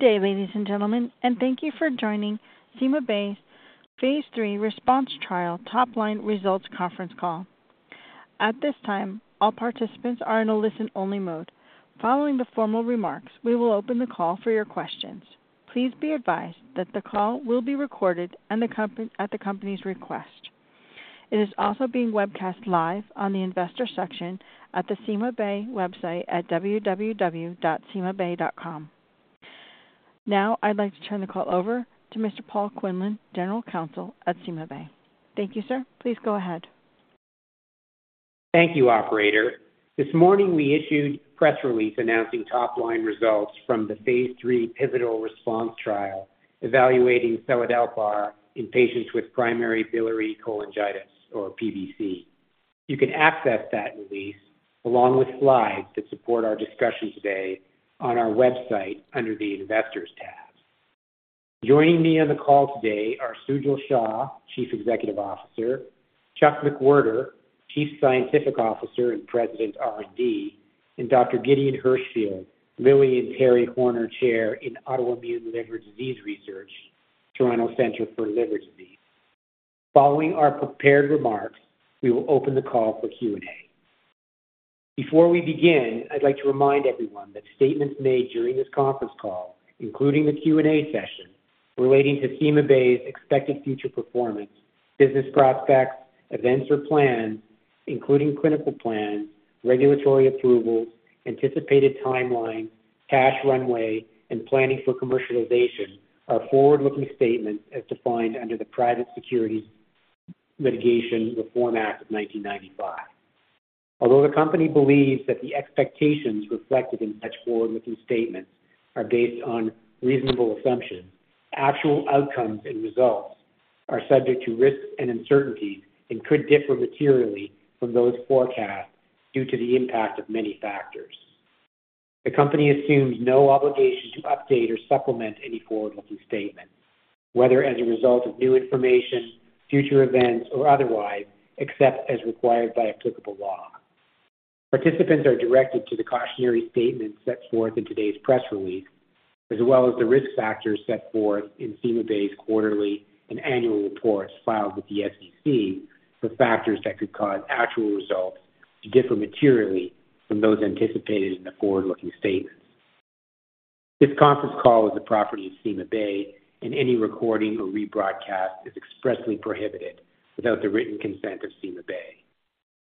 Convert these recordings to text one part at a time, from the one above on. Good day, ladies and gentlemen, and thank you for joining CymaBay's Phase 3 RESPONSE Trial Topline Results Conference Call. At this time, all participants are in a listen-only mode. Following the formal remarks, we will open the call for your questions. Please be advised that the call will be recorded and at the company's request. It is also being webcast live on the investor section at the CymaBay website at www.cymabay.com. Now I'd like to turn the call over to Mr. Paul Quinlan, General Counsel at CymaBay. Thank you, sir. Please go ahead. Thank you, operator. This morning we issued a press release announcing topline results from the Phase 3 Pivotal RESPONSE Trial evaluating seldelpar in patients with Primary Biliary Cholangitis, or PBC. You can access that release along with slides that support our discussion today on our website under the Investors tab. Joining me on the call today are Sujal Shah, Chief Executive Officer; Chuck McWherter, Chief Scientific Officer and President of R&D; and Dr. Gideon Hirschfield, Lily and Terry Horner Chair in Autoimmune Liver Disease Research, Toronto Centre for Liver Disease. Following our prepared remarks, we will open the call for Q&A. Before we begin, I'd like to remind everyone that statements made during this conference call, including the Q&A session, relating to CymaBay's expected future performance, business prospects, events or plans, including clinical plans, regulatory approvals, anticipated timelines, cash runway, and planning for commercialization, are forward-looking statements as defined under the Private Securities Litigation Reform Act of 1995. Although the company believes that the expectations reflected in such forward-looking statements are based on reasonable assumptions, actual outcomes and results are subject to risks and uncertainties and could differ materially from those forecast due to the impact of many factors. The company assumes no obligation to update or supplement any forward-looking statement, whether as a result of new information, future events, or otherwise, except as required by applicable law. Participants are directed to the cautionary statements set forth in today's press release, as well as the risk factors set forth in CymaBay's quarterly and annual reports filed with the SEC for factors that could cause actual results to differ materially from those anticipated in the forward-looking statements. This conference call is the property of CymaBay, and any recording or rebroadcast is expressly prohibited without the written consent of CymaBay.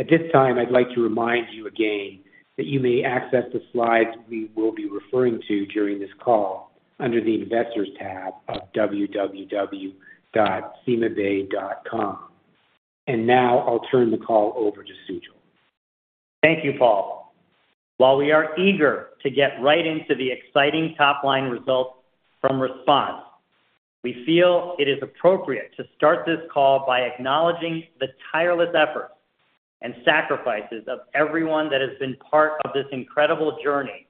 At this time, I'd like to remind you again that you may access the slides we will be referring to during this call under the Investors tab of www.cymabay.com. Now I'll turn the call over to Sujal. Thank you, Paul. While we are eager to get right into the exciting topline results from RESPONSE, we feel it is appropriate to start this call by acknowledging the tireless efforts and sacrifices of everyone that has been part of this incredible journey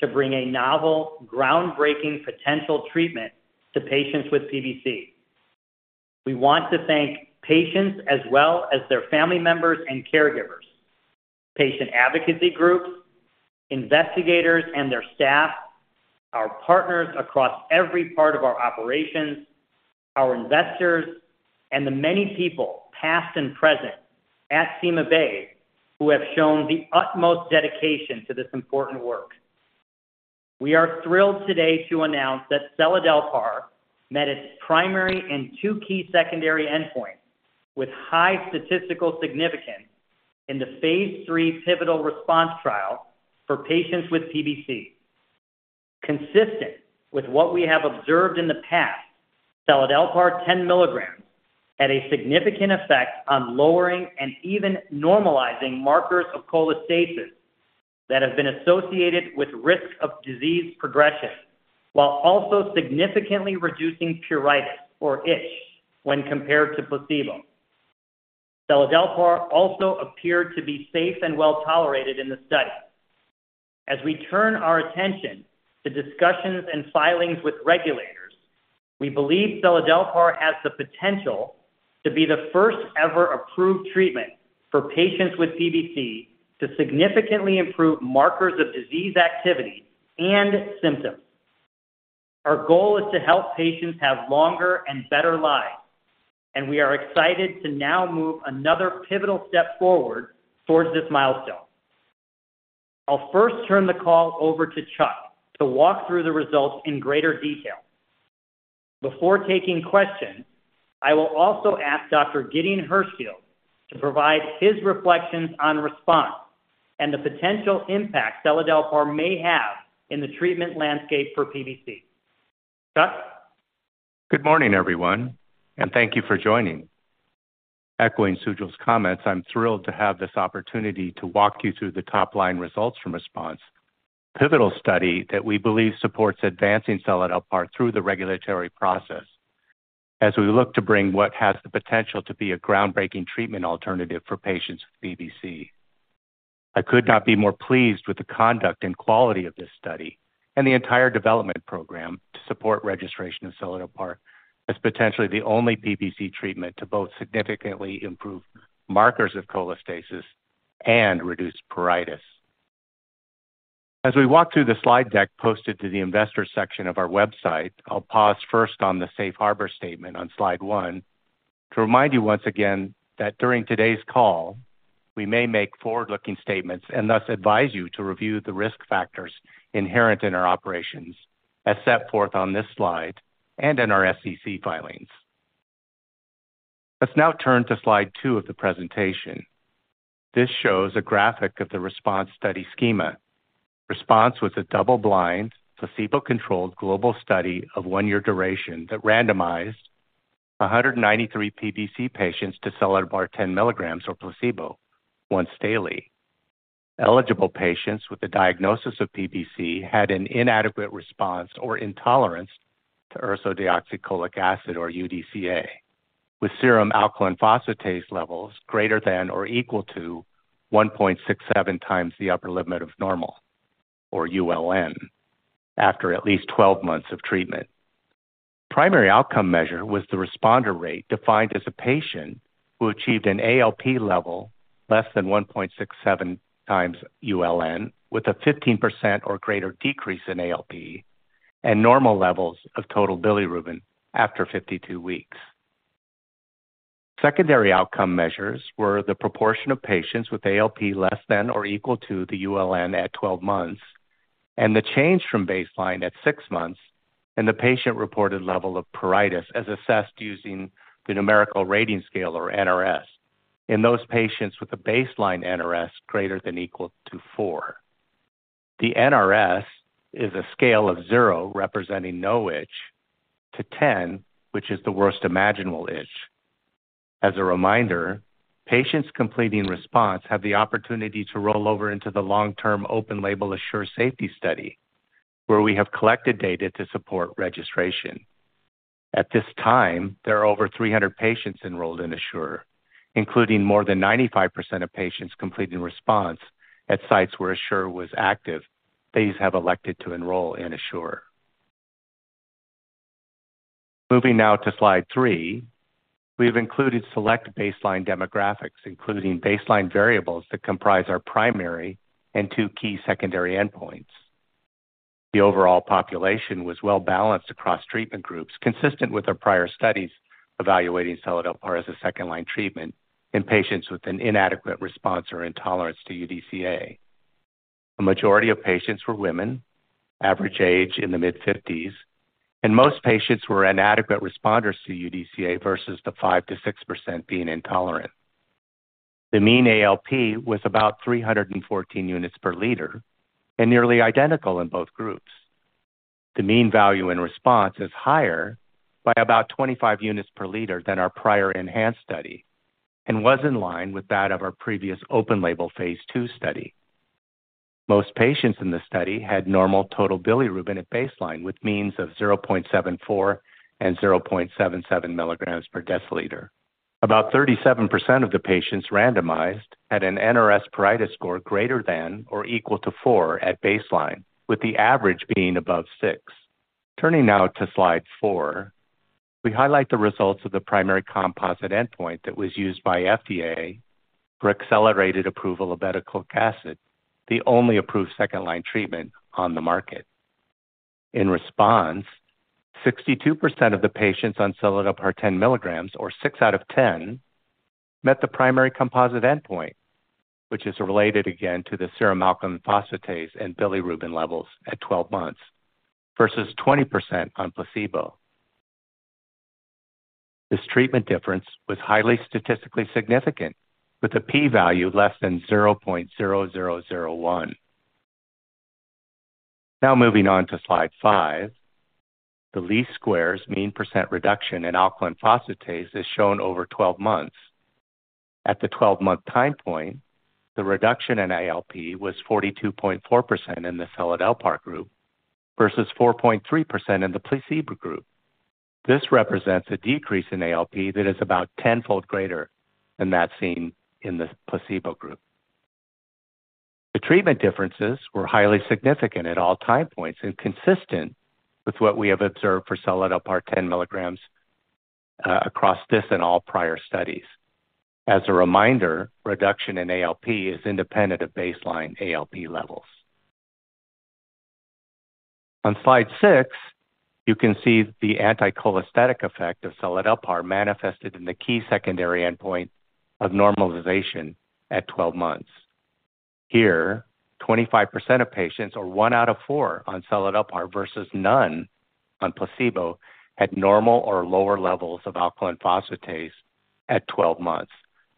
to bring a novel, groundbreaking potential treatment to patients with PBC. We want to thank patients as well as their family members and caregivers, patient advocacy groups, investigators and their staff, our partners across every part of our operations, our investors, and the many people past and present at CymaBay who have shown the utmost dedication to this important work. We are thrilled today to announce that seladelpar met its primary and two key secondary endpoints with high statistical significance in the Phase 3 Pivotal RESPONSE Trial for patients with PBC. Consistent with what we have observed in the past, seladelpar 10 mg had a significant effect on lowering and even normalizing markers of cholestasis that have been associated with risk of disease progression, while also significantly reducing pruritus, or itch, when compared to placebo. Seladelpar also appeared to be safe and well-tolerated in the study. As we turn our attention to discussions and filings with regulators, we believe seladelpar has the potential to be the first-ever approved treatment for patients with PBC to significantly improve markers of disease activity and symptoms. Our goal is to help patients have longer and better lives, and we are excited to now move another pivotal step forward towards this milestone. I'll first turn the call over to Chuck to walk through the results in greater detail. Before taking questions, I will also ask Dr. Gideon Hirschfield to provide his reflections on RESPONSE and the potential impact seladelpar may have in the treatment landscape for PBC. Chuck? Good morning, everyone, and thank you for joining. Echoing Sujal's comments, I'm thrilled to have this opportunity to walk you through the topline results from RESPONSE, a pivotal study that we believe supports advancing seladelpar through the regulatory process as we look to bring what has the potential to be a groundbreaking treatment alternative for patients with PBC. I could not be more pleased with the conduct and quality of this study and the entire development program to support registration of seladelpar as potentially the only PBC treatment to both significantly improve markers of cholestasis and reduce pruritus. As we walk through the slide deck posted to the Investors section of our website, I'll pause first on the Safe Harbor statement on slide 1 to remind you once again that during today's call we may make forward-looking statements and thus advise you to review the risk factors inherent in our operations as set forth on this slide and in our SEC filings. Let's now turn to slide 2 of the presentation. This shows a graphic of the RESPONSE study schema. RESPONSE was a double-blind, placebo-controlled global study of 1-year duration that randomized 193 PBC patients to seladelpar 10 milligrams, or placebo, once daily. Eligible patients with a diagnosis of PBC had an inadequate response or intolerance to ursodeoxycholic acid, or UDCA, with serum alkaline phosphatase levels greater than or equal to 1.67 times the upper limit of normal, or ULN, after at least 12 months of treatment. Primary outcome measure was the responder rate defined as a patient who achieved an ALP level less than 1.67 times ULN with a 15% or greater decrease in ALP and normal levels of total bilirubin after 52 weeks. Secondary outcome measures were the proportion of patients with ALP less than or equal to the ULN at 12 months and the change from baseline at 6 months and the patient-reported level of pruritus as assessed using the numerical rating scale, or NRS, in those patients with a baseline NRS greater than or equal to 4. The NRS is a scale of 0, representing no itch, to 10, which is the worst imaginable itch. As a reminder, patients completing RESPONSE have the opportunity to roll over into the long-term open-label ASSURE safety study, where we have collected data to support registration. At this time, there are over 300 patients enrolled in ASSURE, including more than 95% of patients completing RESPONSE at sites where ASSURE was active that you have elected to enroll in ASSURE. Moving now to slide 3, we've included select baseline demographics, including baseline variables that comprise our primary and two key secondary endpoints. The overall population was well-balanced across treatment groups, consistent with our prior studies evaluating seladelpar as a second-line treatment in patients with an inadequate response or intolerance to UDCA. A majority of patients were women, average age in the mid-50s, and most patients were inadequate responders to UDCA versus the 5%-6% being intolerant. The mean ALP was about 314 units per liter and nearly identical in both groups. The mean value in RESPONSE is higher by about 25 units per liter than our prior ENHANCE study and was in line with that of our previous open-label phase 2 study. Most patients in the study had normal total bilirubin at baseline with means of 0.74 and 0.77 milligrams per deciliter. About 37% of the patients randomized had an NRS pruritus score greater than or equal to 4 at baseline, with the average being above 6. Turning now to slide four, we highlight the results of the primary composite endpoint that was used by FDA for accelerated approval of obeticholic acid, the only approved second-line treatment on the market. In RESPONSE, 62% of the patients on seladelpar 10 milligrams, or six out of 10, met the primary composite endpoint, which is related again to the serum alkaline phosphatase and bilirubin levels at 12 months versus 20% on placebo. This treatment difference was highly statistically significant, with a p-value less than 0.0001. Now moving on to slide 5, the least squares mean percent reduction in alkaline phosphatase is shown over 12 months. At the 12-month time point, the reduction in ALP was 42.4% in the seladelpar group versus 4.3% in the placebo group. This represents a decrease in ALP that is about 10-fold greater than that seen in the placebo group. The treatment differences were highly significant at all time points and consistent with what we have observed for seladelpar 10 milligrams across this and all prior studies. As a reminder, reduction in ALP is independent of baseline ALP levels. On slide 6, you can see the anti-cholestatic effect of seladelpar manifested in the key secondary endpoint of normalization at 12 months. Here, 25% of patients, or 1 out of 4 on seladelpar versus none on placebo, had normal or lower levels of alkaline phosphatase at 12 months,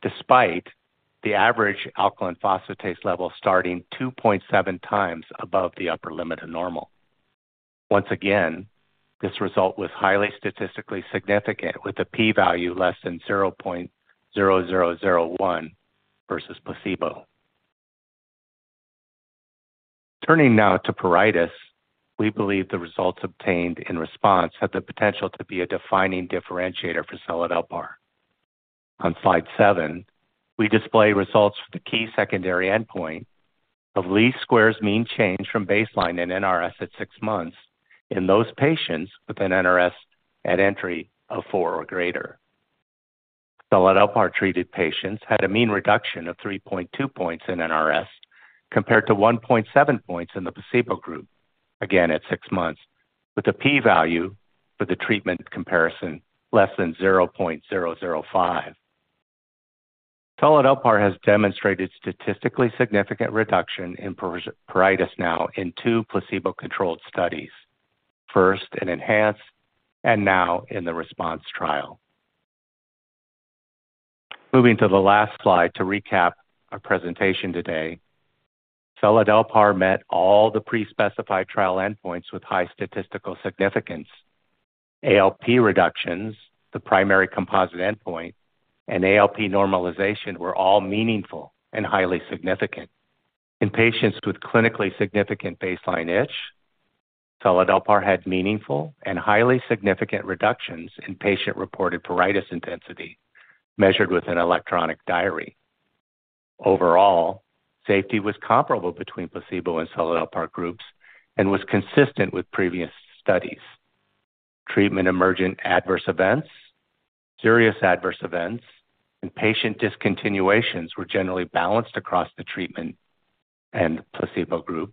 despite the average alkaline phosphatase level starting 2.7 times above the upper limit of normal. Once again, this result was highly statistically significant, with a p-value less than 0.0001 versus placebo. Turning now to pruritus, we believe the results obtained in RESPONSE had the potential to be a defining differentiator for seladelpar. On slide 7, we display results for the key secondary endpoint of least squares mean change from baseline in NRS at 6 months in those patients with an NRS at entry of 4 or greater. Seladelpar treated patients had a mean reduction of 3.2 points in NRS compared to 1.7 points in the placebo group, again at 6 months, with a p-value for the treatment comparison less than 0.005. Seladelpar has demonstrated statistically significant reduction in pruritus now in two placebo-controlled studies, first in ENHANCE and now in the RESPONSE trial. Moving to the last slide to recap our presentation today, seladelpar met all the prespecified trial endpoints with high statistical significance. ALP reductions, the primary composite endpoint, and ALP normalization were all meaningful and highly significant. In patients with clinically significant baseline itch, seladelpar had meaningful and highly significant reductions in patient-reported pruritus intensity measured with an electronic diary. Overall, safety was comparable between placebo and seladelpar groups and was consistent with previous studies. Treatment emergent adverse events, serious adverse events, and patient discontinuations were generally balanced across the treatment and placebo group.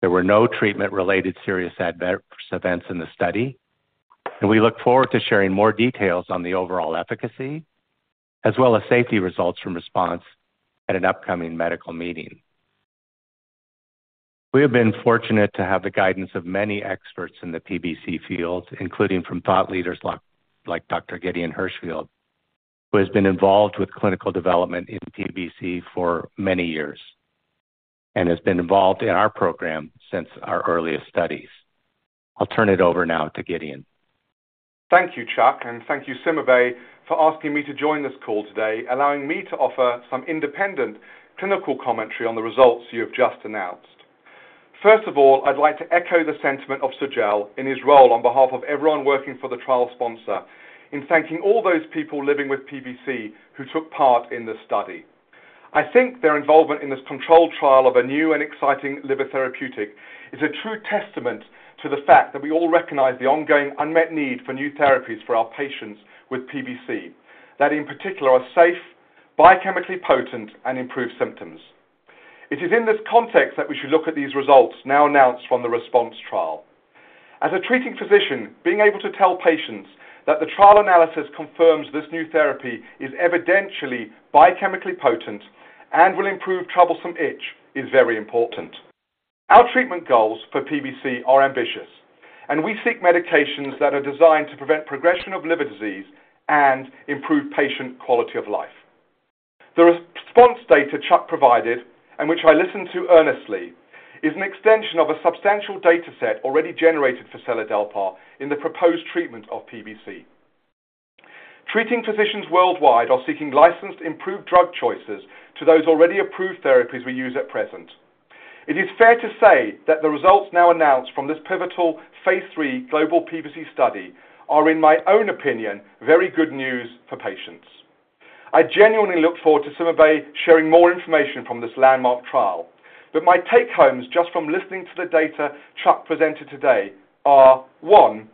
There were no treatment-related serious adverse events in the study, and we look forward to sharing more details on the overall efficacy as well as safety results from RESPONSE at an upcoming medical meeting. We have been fortunate to have the guidance of many experts in the PBC field, including from thought leaders like Dr. Gideon Hirschfield, who has been involved with clinical development in PBC for many years and has been involved in our program since our earliest studies. I'll turn it over now to Gideon. Thank you, Chuck, and thank you, CymaBay, for asking me to join this call today, allowing me to offer some independent clinical commentary on the results you have just announced. First of all, I'd like to echo the sentiment of Sujal in his role on behalf of everyone working for the trial sponsor in thanking all those people living with PBC who took part in this study. I think their involvement in this controlled trial of a new and exciting liver therapeutic is a true testament to the fact that we all recognize the ongoing unmet need for new therapies for our patients with PBC, that in particular are safe, biochemically potent, and improve symptoms. It is in this context that we should look at these results now announced from the RESPONSE trial. As a treating physician, being able to tell patients that the trial analysis confirms this new therapy is evidentially biochemically potent and will improve troublesome itch is very important. Our treatment goals for PBC are ambitious, and we seek medications that are designed to prevent progression of liver disease and improve patient quality of life. The RESPONSE data Chuck provided, and which I listened to earnestly, is an extension of a substantial dataset already generated for seladelpar in the proposed treatment of PBC. Treating physicians worldwide are seeking licensed improved drug choices to those already approved therapies we use at present. It is fair to say that the results now announced from this pivotal phase 3 global PBC study are, in my own opinion, very good news for patients. I genuinely look forward to CymaBay sharing more information from this landmark trial, but my take-homes just from listening to the data Chuck presented today are: 1)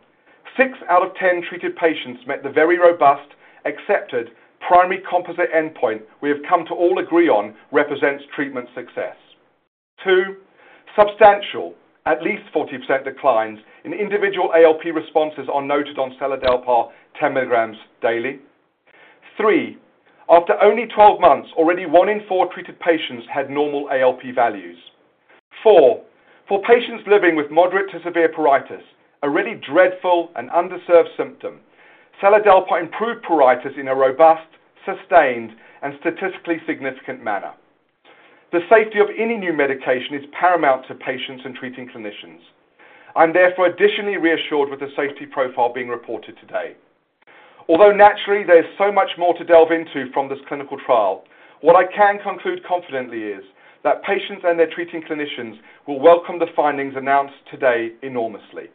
six out of 10 treated patients met the very robust, accepted primary composite endpoint we have come to all agree on represents treatment success. 2) substantial, at least 40%, declines in individual ALP responses are noted on seladelpar 10 milligrams daily. 3) after only 12 months, already one in four treated patients had normal ALP values. 4) for patients living with moderate to severe pruritus, a really dreadful and underserved symptom, seladelpar improved pruritus in a robust, sustained, and statistically significant manner. The safety of any new medication is paramount to patients and treating clinicians. I'm therefore additionally reassured with the safety profile being reported today. Although naturally there is so much more to delve into from this clinical trial, what I can conclude confidently is that patients and their treating clinicians will welcome the findings announced today enormously.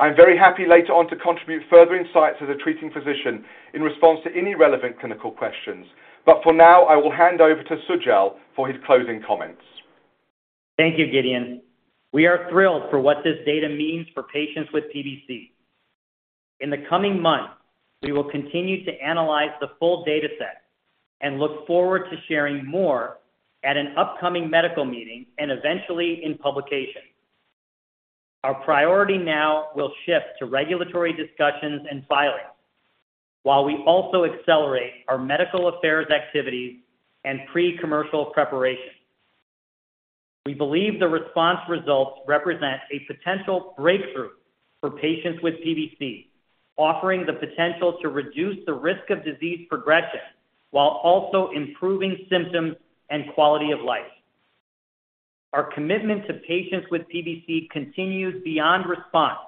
I'm very happy later on to contribute further insights as a treating physician in response to any relevant clinical questions, but for now I will hand over to Sujal for his closing comments. Thank you, Gideon. We are thrilled for what this data means for patients with PBC. In the coming months, we will continue to analyze the full dataset and look forward to sharing more at an upcoming medical meeting and eventually in publication. Our priority now will shift to regulatory discussions and filings, while we also accelerate our medical affairs activities and pre-commercial preparation. We believe the RESPONSE results represent a potential breakthrough for patients with PBC, offering the potential to reduce the risk of disease progression while also improving symptoms and quality of life. Our commitment to patients with PBC continues beyond RESPONSE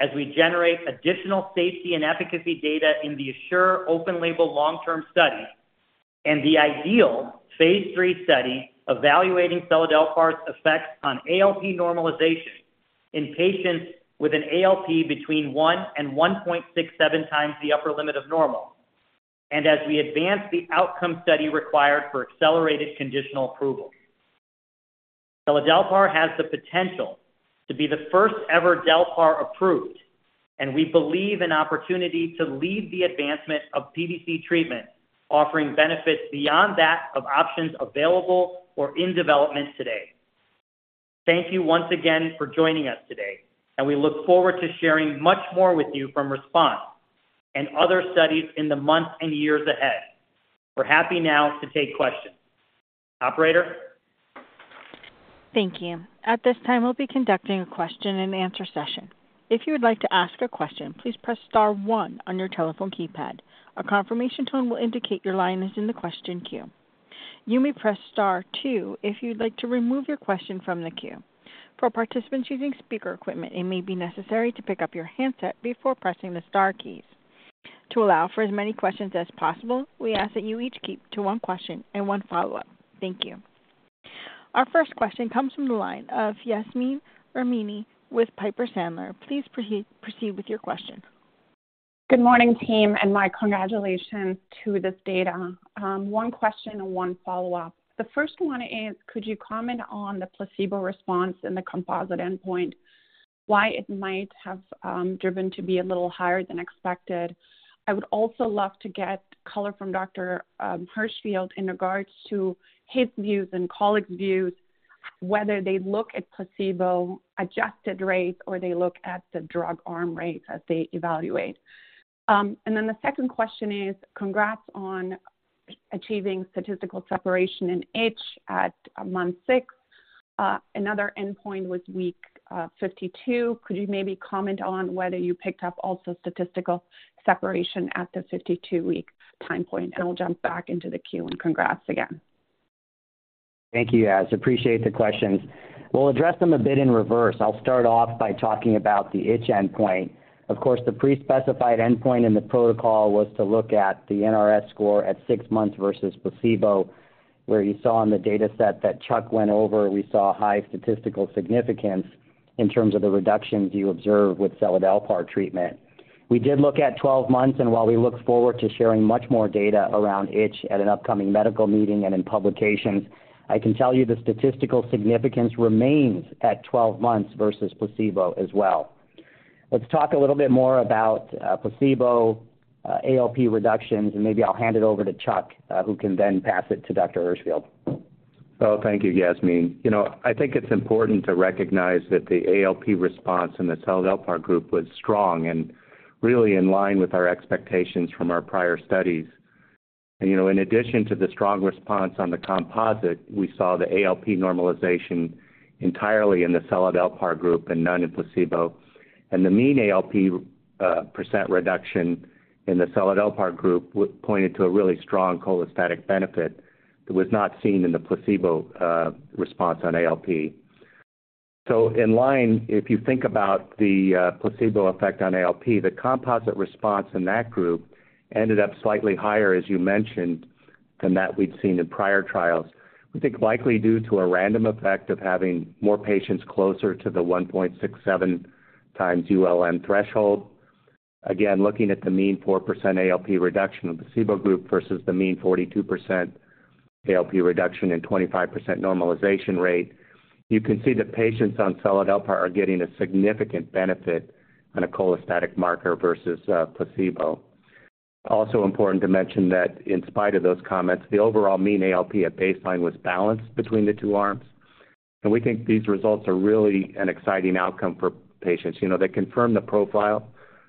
as we generate additional safety and efficacy data in the ASSURE open-label long-term study and the IDEAL phase 3 study evaluating seladelpar's effects on ALP normalization in patients with an ALP between 1 and 1.67 times the upper limit of normal, and as we advance the outcome study required for accelerated conditional approval. Seladelpar has the potential to be the first-ever PPAR approved, and we believe an opportunity to lead the advancement of PBC treatment, offering benefits beyond that of options available or in development today. Thank you once again for joining us today, and we look forward to sharing much more with you from RESPONSE and other studies in the months and years ahead. We're happy now to take questions. Operator? Thank you. At this time, we'll be conducting a question-and-answer session. If you would like to ask a question, please press star 1 on your telephone keypad. A confirmation tone will indicate your line is in the question queue. You may press star 2 if you'd like to remove your question from the queue. For participants using speaker equipment, it may be necessary to pick up your handset before pressing the star keys. To allow for as many questions as possible, we ask that you each keep to one question and one follow-up. Thank you. Our first question comes from the line of Yasmeen Rahimi with Piper Sandler. Please proceed with your question. Good morning, team, and my congratulations to this data. One question and one follow-up. The first one is, could you comment on the placebo RESPONSE and the composite endpoint, why it might have driven to be a little higher than expected? I would also love to get color from Dr. Hirschfield in regards to his views and colleagues' views, whether they look at placebo-adjusted rates or they look at the drug arm rates as they evaluate. And then the second question is, congrats on achieving statistical separation in itch at month 6. Another endpoint was week 52. Could you maybe comment on whether you picked up also statistical separation at the 52-week time point? And I'll jump back into the queue and congrats again. Thank you, Yas. Appreciate the questions. We'll address them a bit in reverse. I'll start off by talking about the itch endpoint. Of course, the prespecified endpoint in the protocol was to look at the NRS score at 6 months versus placebo, where you saw in the dataset that Chuck went over, we saw high statistical significance in terms of the reductions you observed with seladelpar treatment. We did look at 12 months, and while we look forward to sharing much more data around itch at an upcoming medical meeting and in publications, I can tell you the statistical significance remains at 12 months versus placebo as well. Let's talk a little bit more about placebo, ALP reductions, and maybe I'll hand it over to Chuck, who can then pass it to Dr. Hirschfield. Oh, thank you, Yasmeen. I think it's important to recognize that the ALP response in the seladelpar group was strong and really in line with our expectations from our prior studies. In addition to the strong response on the composite, we saw the ALP normalization entirely in the seladelpar group and none in placebo. The mean ALP % reduction in the seladelpar group pointed to a really strong cholestatic benefit that was not seen in the placebo response on ALP. In line, if you think about the placebo effect on ALP, the composite response in that group ended up slightly higher, as you mentioned, than that we'd seen in prior trials. We think likely due to a random effect of having more patients closer to the 1.67 times ULN threshold. Again, looking at the mean 4% ALP reduction in the placebo group versus the mean 42% ALP reduction and 25% normalization rate, you can see that patients on seladelpar are getting a significant benefit on a cholestatic marker versus placebo. Also important to mention that in spite of those comments, the overall mean ALP at baseline was balanced between the two arms. We think these results are really an exciting outcome for patients. They confirm the profile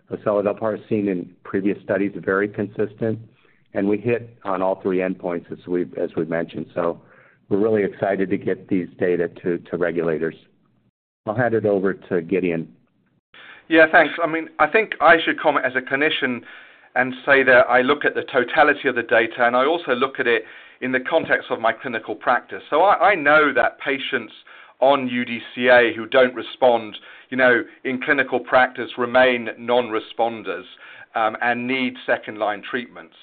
of seladelpar seen in previous studies very consistent, and we hit on all three endpoints, as we've mentioned. We're really excited to get these data to regulators. I'll hand it over to Gideon. Yeah, thanks. I mean, I think I should comment as a clinician and say that I look at the totality of the data, and I also look at it in the context of my clinical practice. So I know that patients on UDCA who don't respond in clinical practice remain non-responders and need second-line treatments.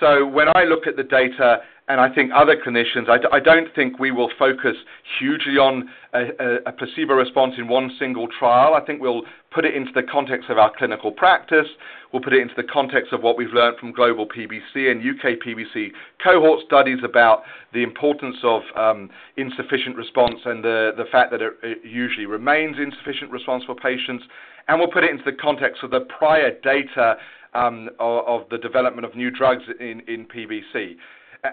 So when I look at the data and I think other clinicians, I don't think we will focus hugely on a placebo response in one single trial. I think we'll put it into the context of our clinical practice. We'll put it into the context of what we've learned from Global PBC and UK-PBC cohort studies about the importance of insufficient response and the fact that it usually remains insufficient response for patients. And we'll put it into the context of the prior data of the development of new drugs in PBC.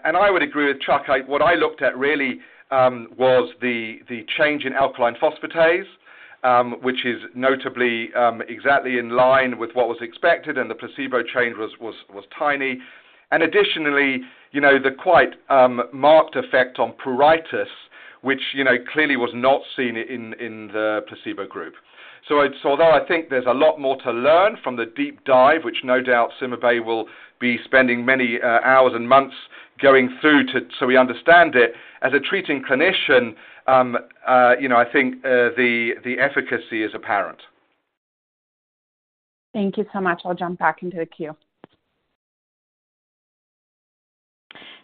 And I would agree with Chuck. What I looked at really was the change in alkaline phosphatase, which is notably exactly in line with what was expected, and the placebo change was tiny. And additionally, the quite marked effect on pruritus, which clearly was not seen in the placebo group. So I saw that. I think there's a lot more to learn from the deep dive, which no doubt CymaBay will be spending many hours and months going through so we understand it. As a treating clinician, I think the efficacy is apparent. Thank you so much. I'll jump back into the queue.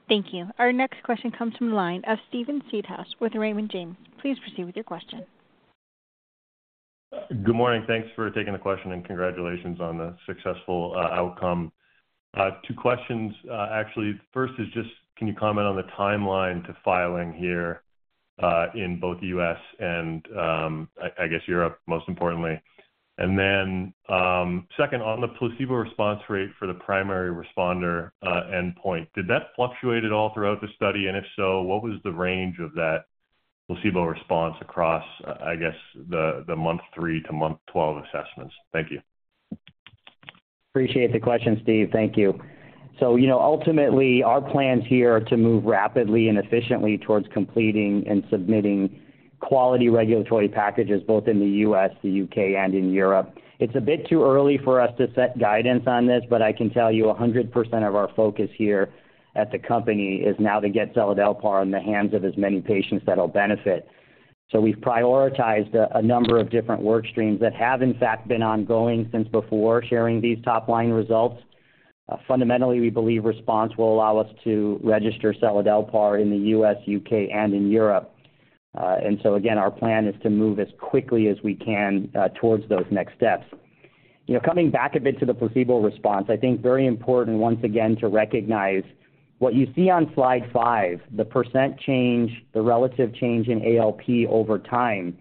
Thank you. Our next question comes from the line of Steven Seedhouse with Raymond James. Please proceed with your question. Good morning. Thanks for taking the question, and congratulations on the successful outcome. Two questions, actually. First is just, can you comment on the timeline to filing here in both the U.S. and, I guess, Europe, most importantly? And then second, on the placebo RESPONSE rate for the primary responder endpoint, did that fluctuate at all throughout the study? And if so, what was the range of that placebo RESPONSE across, I guess, the month 3 to month 12 assessments? Thank you. Appreciate the question, Steve. Thank you. So ultimately, our plans here are to move rapidly and efficiently towards completing and submitting quality regulatory packages both in the U.S., the U.K., and in Europe. It's a bit too early for us to set guidance on this, but I can tell you 100% of our focus here at the company is now to get seladelpar in the hands of as many patients that will benefit. So we've prioritized a number of different workstreams that have, in fact, been ongoing since before sharing these top-line results. Fundamentally, we believe RESPONSE will allow us to register seladelpar in the U.S., U.K., and in Europe. And so again, our plan is to move as quickly as we can towards those next steps. Coming back a bit to the placebo RESPONSE, I think very important, once again, to recognize what you see on slide 5, the percent change, the relative change in ALP over time.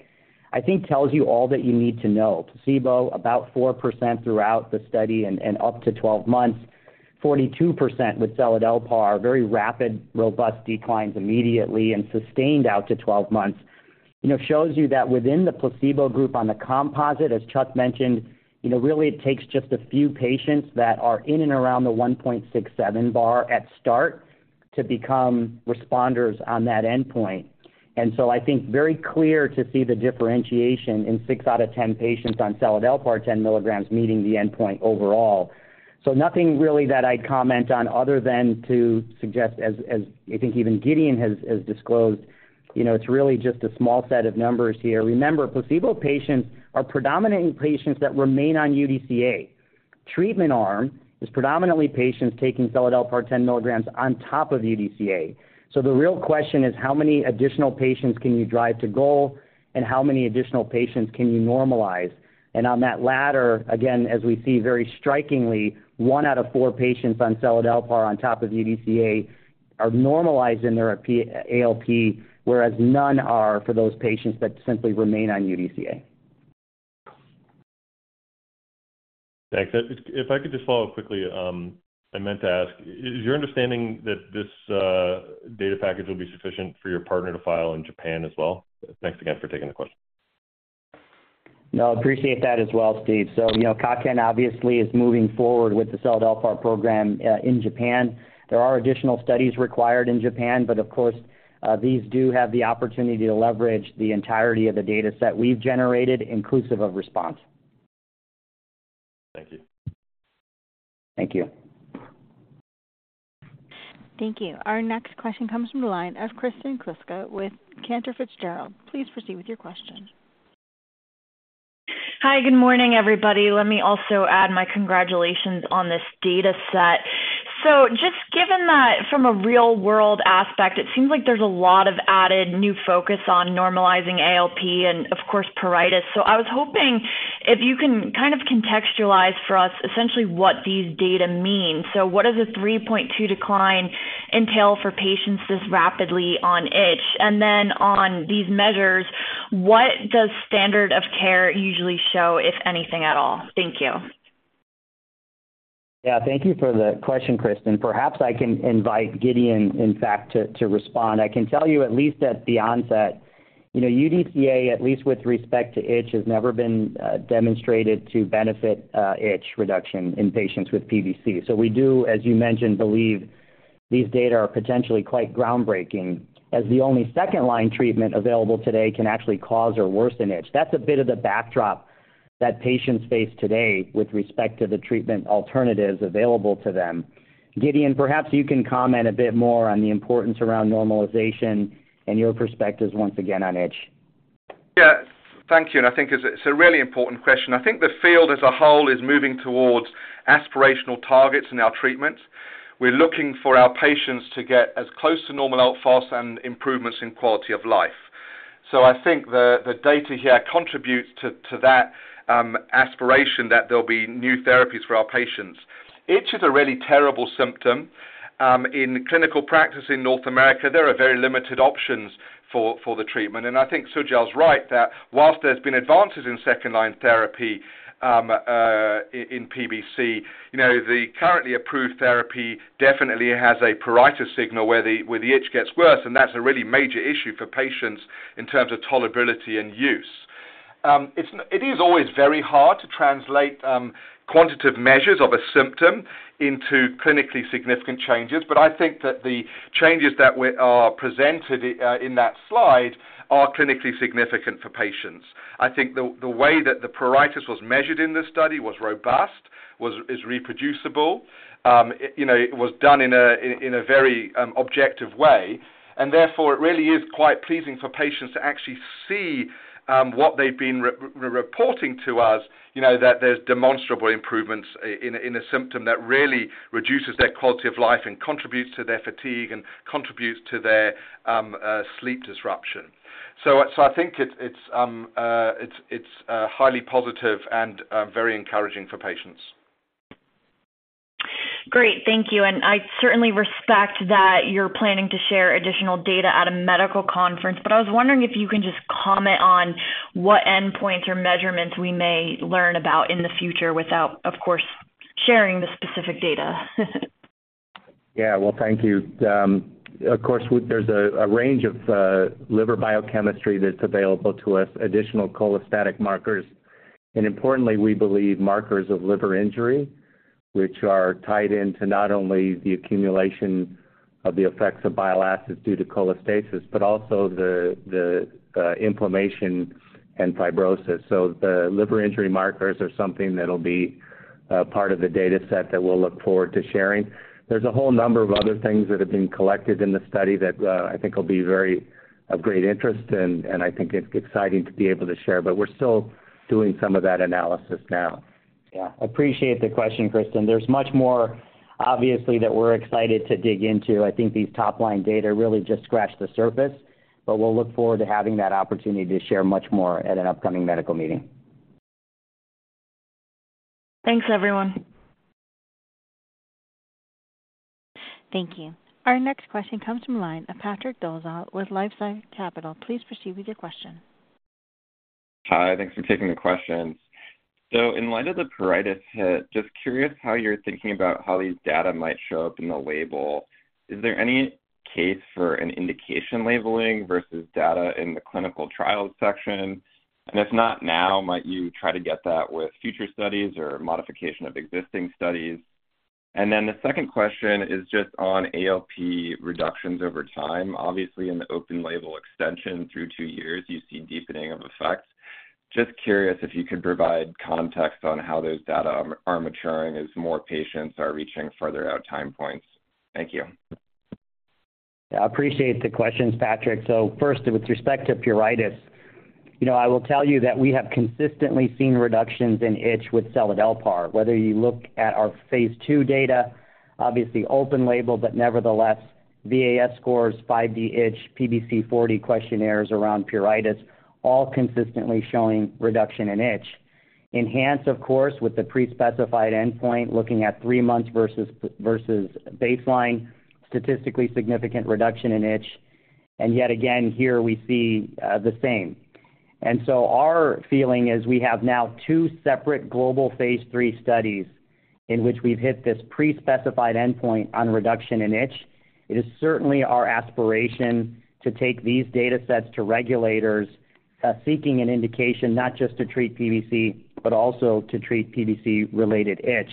I think tells you all that you need to know. Placebo, about 4% throughout the study and up to 12 months. 42% with seladelpar, very rapid, robust declines immediately and sustained out to 12 months, shows you that within the placebo group on the composite, as Chuck mentioned, really it takes just a few patients that are in and around the 1.67x ULN at start to become responders on that endpoint. And so I think very clear to see the differentiation in 6 out of 10 patients on seladelpar 10 milligrams meeting the endpoint overall. So nothing really that I'd comment on other than to suggest, as I think even Gideon has disclosed, it's really just a small set of numbers here. Remember, placebo patients are predominantly patients that remain on UDCA. Treatment arm is predominantly patients taking seladelpar 10 milligrams on top of UDCA. So the real question is, how many additional patients can you drive to goal, and how many additional patients can you normalize? And on that latter, again, as we see very strikingly, 1 out of 4 patients on seladelpar on top of UDCA are normalized in their ALP, whereas none are for those patients that simply remain on UDCA. Thanks. If I could just follow up quickly, I meant to ask, is your understanding that this data package will be sufficient for your partner to file in Japan as well? Thanks again for taking the question. No, appreciate that as well, Steve. So Kaken obviously is moving forward with the seladelpar program in Japan. There are additional studies required in Japan, but of course, these do have the opportunity to leverage the entirety of the dataset we've generated, inclusive of RESPONSE. Thank you. Thank you. Thank you. Our next question comes from the line of Kristen Kluska with Cantor Fitzgerald. Please proceed with your question. Hi. Good morning, everybody. Let me also add my congratulations on this dataset. So just given that from a real-world aspect, it seems like there's a lot of added new focus on normalizing ALP and, of course, pruritus. So I was hoping if you can kind of contextualize for us essentially what these data mean. So what does a 3.2 decline entail for patients this rapidly on itch? And then on these measures, what does standard of care usually show, if anything at all? Thank you. Yeah. Thank you for the question, Kristen. Perhaps I can invite Gideon, in fact, to respond. I can tell you at least at the onset, UDCA, at least with respect to itch, has never been demonstrated to benefit itch reduction in patients with PBC. So we do, as you mentioned, believe these data are potentially quite groundbreaking as the only second-line treatment available today can actually cause or worsen itch. That's a bit of the backdrop that patients face today with respect to the treatment alternatives available to them. Gideon, perhaps you can comment a bit more on the importance around normalization and your perspectives, once again, on itch. Yeah. Thank you. And I think it's a really important question. I think the field as a whole is moving towards aspirational targets in our treatments. We're looking for our patients to get as close to normal outcomes and improvements in quality of life. So I think the data here contributes to that aspiration that there'll be new therapies for our patients. Itch is a really terrible symptom. In clinical practice in North America, there are very limited options for the treatment. And I think Sujal's right that while there's been advances in second-line therapy in PBC, the currently approved therapy definitely has a pruritus signal where the itch gets worse. And that's a really major issue for patients in terms of tolerability and use. It is always very hard to translate quantitative measures of a symptom into clinically significant changes, but I think that the changes that are presented in that slide are clinically significant for patients. I think the way that the pruritus was measured in this study was robust, is reproducible. It was done in a very objective way. Therefore, it really is quite pleasing for patients to actually see what they've been reporting to us, that there's demonstrable improvements in a symptom that really reduces their quality of life and contributes to their fatigue and contributes to their sleep disruption. I think it's highly positive and very encouraging for patients. Great. Thank you. I certainly respect that you're planning to share additional data at a medical conference, but I was wondering if you can just comment on what endpoints or measurements we may learn about in the future without, of course, sharing the specific data. Yeah. Well, thank you. Of course, there's a range of liver biochemistry that's available to us, additional cholestatic markers, and importantly, we believe markers of liver injury, which are tied into not only the accumulation of the effects of bile acids due to cholestasis, but also the inflammation and fibrosis. So the liver injury markers are something that'll be part of the dataset that we'll look forward to sharing. There's a whole number of other things that have been collected in the study that I think will be of great interest, and I think it's exciting to be able to share. But we're still doing some of that analysis now. Yeah. Appreciate the question, Kristen. There's much more, obviously, that we're excited to dig into. I think these top-line data really just scratched the surface, but we'll look forward to having that opportunity to share much more at an upcoming medical meeting. Thanks, everyone. Thank you. Our next question comes from the line of Patrick Dolezal with LifeSci Capital. Please proceed with your question. Hi. Thanks for taking the questions. So in light of the pruritus hit, just curious how you're thinking about how these data might show up in the label. Is there any case for an indication labeling versus data in the clinical trial section? And if not now, might you try to get that with future studies or modification of existing studies? And then the second question is just on ALP reductions over time. Obviously, in the open-label extension through 2 years, you see deepening of effects. Just curious if you could provide context on how those data are maturing as more patients are reaching further out time points. Thank you. Yeah. I appreciate the questions, Patrick. So first, with respect to pruritus, I will tell you that we have consistently seen reductions in itch with seladelpar. Whether you look at our phase 2 data, obviously open-label, but nevertheless, VAS scores, 5D itch, PBC-40 questionnaires around pruritus, all consistently showing reduction in itch. ENHANCE, of course, with the pre-specified endpoint, looking at three months versus baseline, statistically significant reduction in itch. And yet again, here we see the same. And so our feeling is we have now two separate global phase 3 studies in which we've hit this pre-specified endpoint on reduction in itch. It is certainly our aspiration to take these datasets to regulators seeking an indication not just to treat PBC, but also to treat PBC-related itch.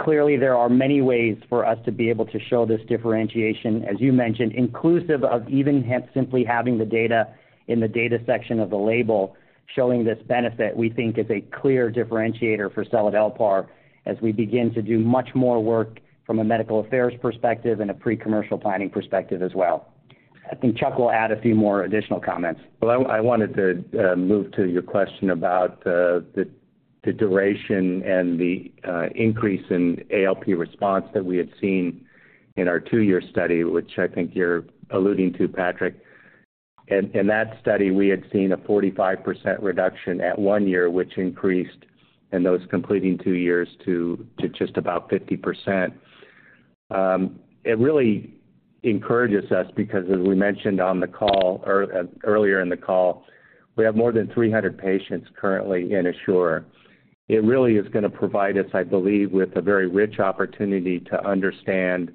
Clearly, there are many ways for us to be able to show this differentiation, as you mentioned, inclusive of even simply having the data in the data section of the label showing this benefit we think is a clear differentiator for seladelpar as we begin to do much more work from a medical affairs perspective and a pre-commercial planning perspective as well. I think Chuck will add a few more additional comments. Well, I wanted to move to your question about the duration and the increase in ALP RESPONSE that we had seen in our two-year study, which I think you're alluding to, Patrick. In that study, we had seen a 45% reduction at one year, which increased in those completing two years to just about 50%. It really encourages us because, as we mentioned earlier in the call, we have more than 300 patients currently in ASSURE. It really is going to provide us, I believe, with a very rich opportunity to understand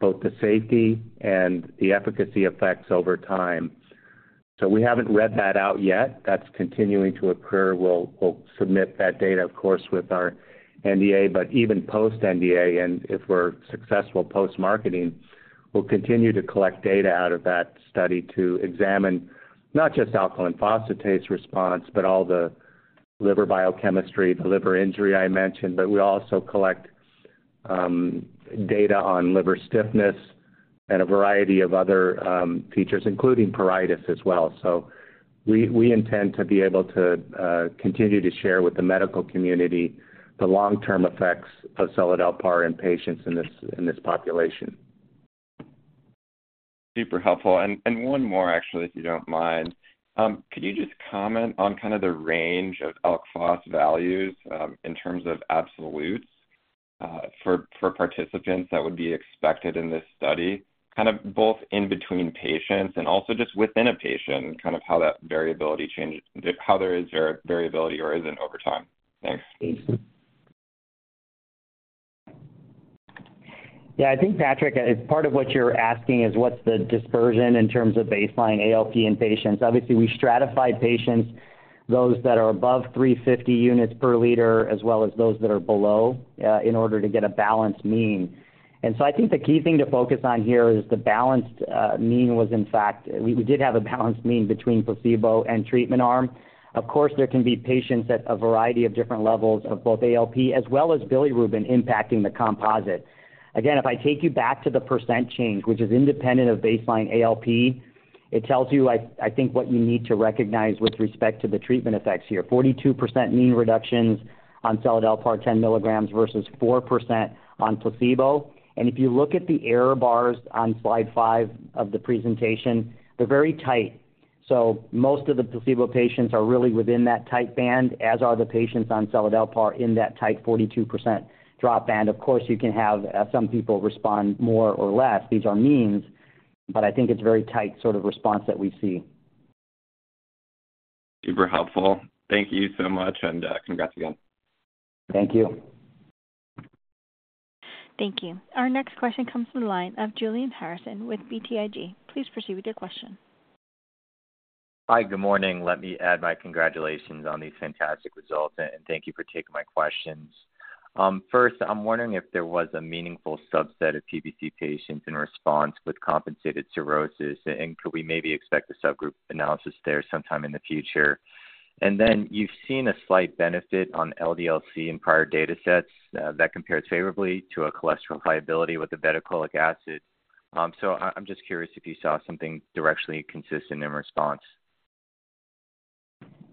both the safety and the efficacy effects over time. So we haven't read that out yet. That's continuing to occur. We'll submit that data, of course, with our NDA, but even post-NDA, and if we're successful post-marketing, we'll continue to collect data out of that study to examine not just alkaline phosphatase RESPONSE, but all the liver biochemistry, the liver injury I mentioned, but we also collect data on liver stiffness and a variety of other features, including pruritus as well. So we intend to be able to continue to share with the medical community the long-term effects of seladelpar in patients in this population. Super helpful. And one more, actually, if you don't mind. Could you just comment on kind of the range of ALP values in terms of absolutes for participants that would be expected in this study, kind of both in between patients and also just within a patient, kind of how that variability changes, how there is variability or isn't over time? Thanks. Yeah. I think, Patrick, part of what you're asking is what's the dispersion in terms of baseline ALP in patients. Obviously, we stratified patients, those that are above 350 units per liter, as well as those that are below in order to get a balanced mean. And so I think the key thing to focus on here is the balanced mean was, in fact, we did have a balanced mean between placebo and treatment arm. Of course, there can be patients at a variety of different levels of both ALP as well as bilirubin impacting the composite. Again, if I take you back to the percent change, which is independent of baseline ALP, it tells you, I think, what you need to recognize with respect to the treatment effects here. 42% mean reductions on seladelpar 10 milligrams versus 4% on placebo. If you look at the error bars on slide 5 of the presentation, they're very tight. Most of the placebo patients are really within that tight band, as are the patients on seladelpar in that tight 42% drop band. Of course, you can have some people respond more or less. These are means, but I think it's very tight sort of response that we see. Super helpful. Thank you so much, and congrats again. Thank you. Thank you. Our next question comes from the line of Julian Harrison with BTIG. Please proceed with your question. Hi. Good morning. Let me add my congratulations on these fantastic results, and thank you for taking my questions. First, I'm wondering if there was a meaningful subset of PBC patients in RESPONSE with compensated cirrhosis, and could we maybe expect a subgroup analysis there sometime in the future? Then you've seen a slight benefit on LDL-C in prior datasets that compares favorably to a cholesterol variability with obeticholic acid. I'm just curious if you saw something directly consistent in RESPONSE.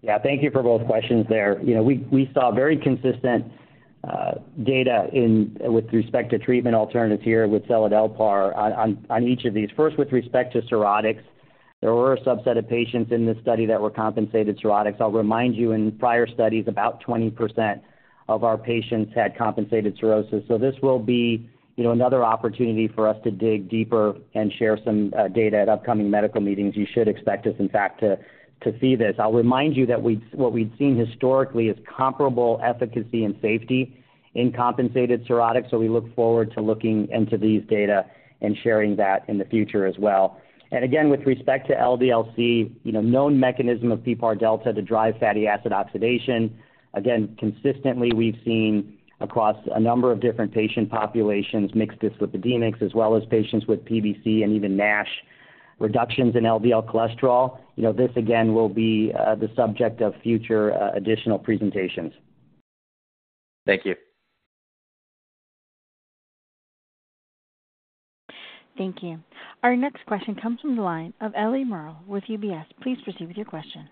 Yeah. Thank you for both questions there. We saw very consistent data with respect to treatment alternatives here with seladelpar on each of these. First, with respect to cirrhotics, there were a subset of patients in this study that were compensated cirrhotics. I'll remind you, in prior studies, about 20% of our patients had compensated cirrhosis. So this will be another opportunity for us to dig deeper and share some data at upcoming medical meetings. You should expect us, in fact, to see this. I'll remind you that what we'd seen historically is comparable efficacy and safety in compensated cirrhotics. So we look forward to looking into these data and sharing that in the future as well. And again, with respect to LDL-C, known mechanism of PPAR delta to drive fatty acid oxidation. Again, consistently, we've seen across a number of different patient populations, mixed dyslipidemics, as well as patients with PBC and even NASH reductions in LDL cholesterol. This, again, will be the subject of future additional presentations. Thank you. Thank you. Our next question comes from the line of Eliana Merle with UBS. Please proceed with your question.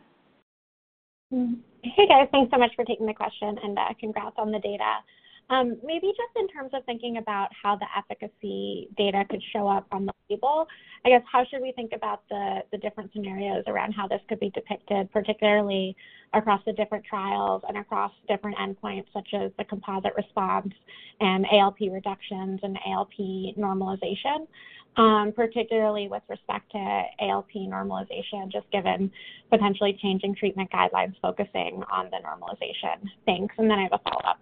Hey, guys. Thanks so much for taking the question, and congrats on the data. Maybe just in terms of thinking about how the efficacy data could show up on the label, I guess, how should we think about the different scenarios around how this could be depicted, particularly across the different trials and across different endpoints such as the composite RESPONSE and ALP reductions and ALP normalization, particularly with respect to ALP normalization, just given potentially changing treatment guidelines focusing on the normalization? Thanks. Then I have a follow-up.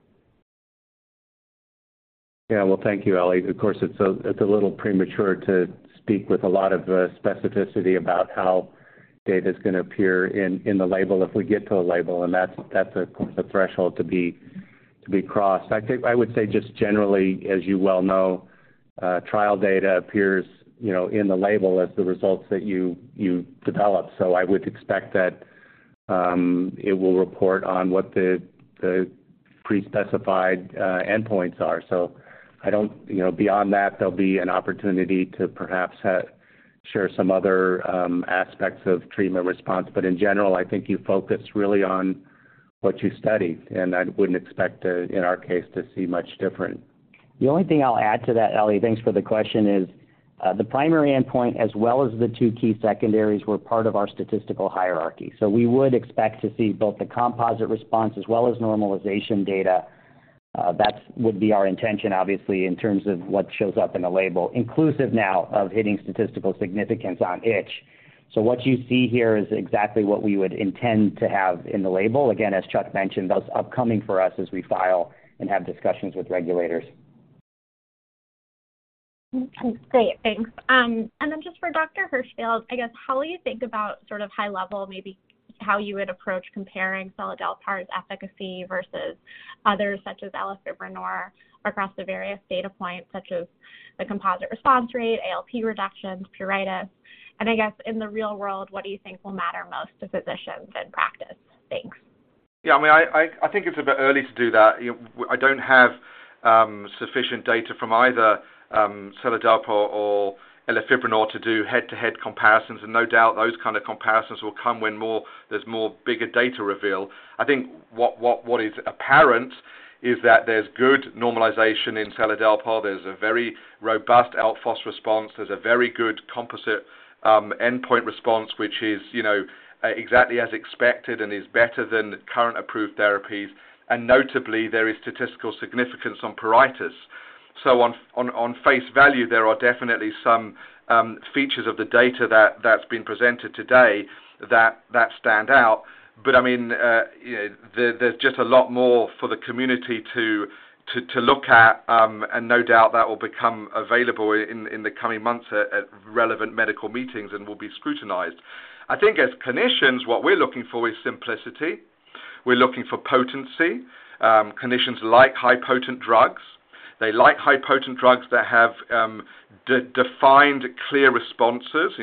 Yeah. Well, thank you, Ellie. Of course, it's a little premature to speak with a lot of specificity about how data is going to appear in the label if we get to a label, and that's, of course, a threshold to be crossed. I would say just generally, as you well know, trial data appears in the label as the results that you develop. So I would expect that it will report on what the pre-specified endpoints are. So beyond that, there'll be an opportunity to perhaps share some other aspects of treatment RESPONSE. But in general, I think you focus really on what you study, and I wouldn't expect, in our case, to see much different. The only thing I'll add to that, Ellie, thanks for the question, is the primary endpoint as well as the two key secondaries were part of our statistical hierarchy. So we would expect to see both the composite RESPONSE as well as normalization data. That would be our intention, obviously, in terms of what shows up in the label, inclusive now of hitting statistical significance on itch. So what you see here is exactly what we would intend to have in the label. Again, as Chuck mentioned, that's upcoming for us as we file and have discussions with regulators. Great. Thanks. Then just for Dr. Hirschfield, I guess, how will you think about sort of high-level, maybe how you would approach comparing seladelpar's efficacy versus others such as elafibranor across the various data points such as the composite RESPONSE rate, ALP reductions, pruritus? I guess, in the real world, what do you think will matter most to physicians in practice? Thanks. Yeah. I mean, I think it's a bit early to do that. I don't have sufficient data from either seladelpar or elafibranor to do head-to-head comparisons, and no doubt those kind of comparisons will come when there's more bigger data reveal. I think what is apparent is that there's good normalization in seladelpar. There's a very robust ALP RESPONSE. There's a very good composite endpoint RESPONSE, which is exactly as expected and is better than current approved therapies. And notably, there is statistical significance on pruritus. So on face value, there are definitely some features of the data that's been presented today that stand out. But I mean, there's just a lot more for the community to look at, and no doubt that will become available in the coming months at relevant medical meetings and will be scrutinized. I think as clinicians, what we're looking for is simplicity. We're looking for potency, clinicians like high-potency drugs. They like high-potency drugs that have defined, clear responses,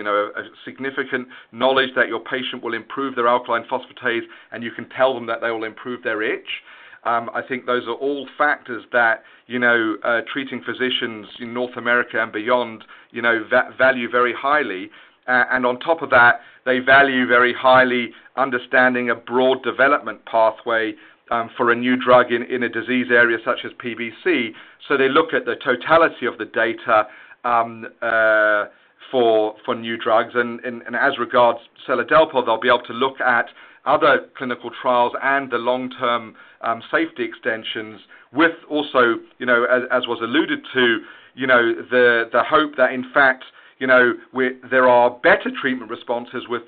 significant knowledge that your patient will improve their alkaline phosphatase, and you can tell them that they will improve their itch. I think those are all factors that treating physicians in North America and beyond value very highly. And on top of that, they value very highly understanding a broad development pathway for a new drug in a disease area such as PBC. So they look at the totality of the data for new drugs. And as regards seladelpar, they'll be able to look at other clinical trials and the long-term safety extensions with also, as was alluded to, the hope that, in fact, there are better treatment responses with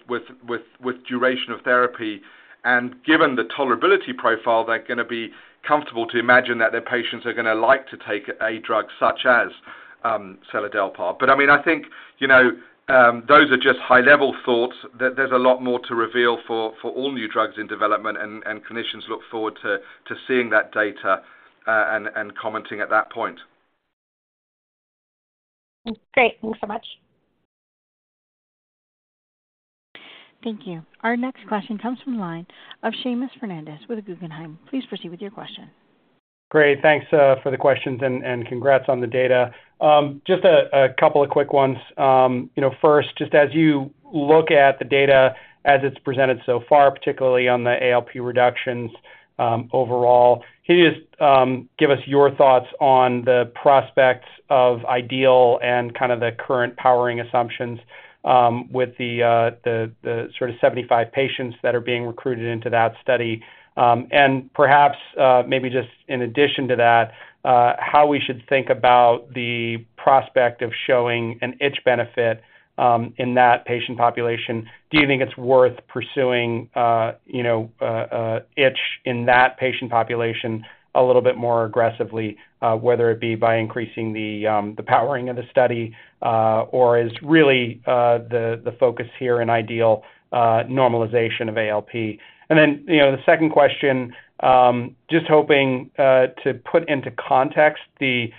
duration of therapy. Given the tolerability profile, they're going to be comfortable to imagine that their patients are going to like to take a drug such as seladelpar. But I mean, I think those are just high-level thoughts. There's a lot more to reveal for all new drugs in development, and clinicians look forward to seeing that data and commenting at that point. Great. Thanks so much. Thank you. Our next question comes from the line of Seamus Fernandez with Guggenheim. Please proceed with your question. Great. Thanks for the questions and congrats on the data. Just a couple of quick ones. First, just as you look at the data as it's presented so far, particularly on the ALP reductions overall, can you just give us your thoughts on the prospects of IDEAL and kind of the current powering assumptions with the sort of 75 patients that are being recruited into that study? And perhaps, maybe just in addition to that, how we should think about the prospect of showing an itch benefit in that patient population? Do you think it's worth pursuing itch in that patient population a little bit more aggressively, whether it be by increasing the powering of the study or is really the focus here in IDEAL normalization of ALP? And then the second question, just hoping to put into context the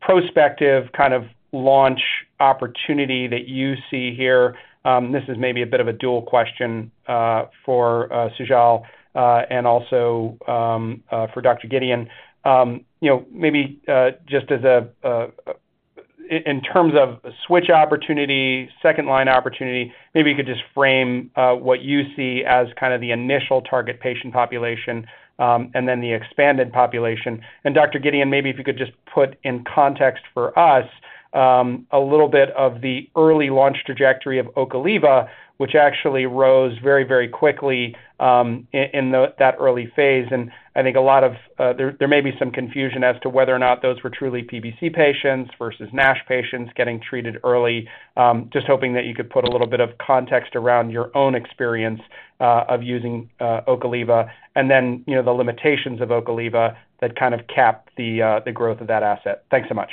prospective kind of launch opportunity that you see here. This is maybe a bit of a dual question for Sujal and also for Dr. Gideon. Maybe just in terms of switch opportunity, second-line opportunity, maybe you could just frame what you see as kind of the initial target patient population and then the expanded population. And Dr. Gideon, maybe if you could just put in context for us a little bit of the early launch trajectory of Ocaliva, which actually rose very, very quickly in that early phase. And I think a lot, there may be some confusion as to whether or not those were truly PBC patients versus NASH patients getting treated early, just hoping that you could put a little bit of context around your own experience of using Ocaliva and then the limitations of Ocaliva that kind of capped the growth of that asset. Thanks so much.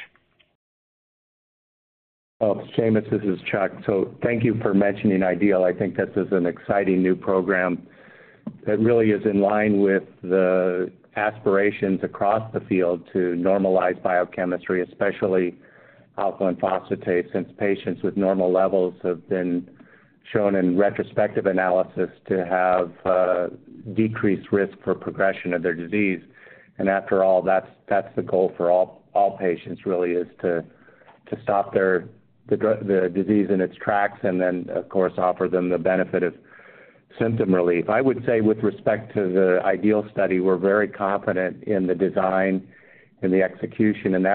Well, Seamus, this is Chuck. So thank you for mentioning IDEAL. I think this is an exciting new program that really is in line with the aspirations across the field to normalize biochemistry, especially alkaline phosphatase, since patients with normal levels have been shown in retrospective analysis to have decreased risk for progression of their disease. And after all, that's the goal for all patients, really, is to stop the disease in its tracks and then, of course, offer them the benefit of symptom relief. I would say with respect to the IDEAL study, we're very confident in the design and the execution. And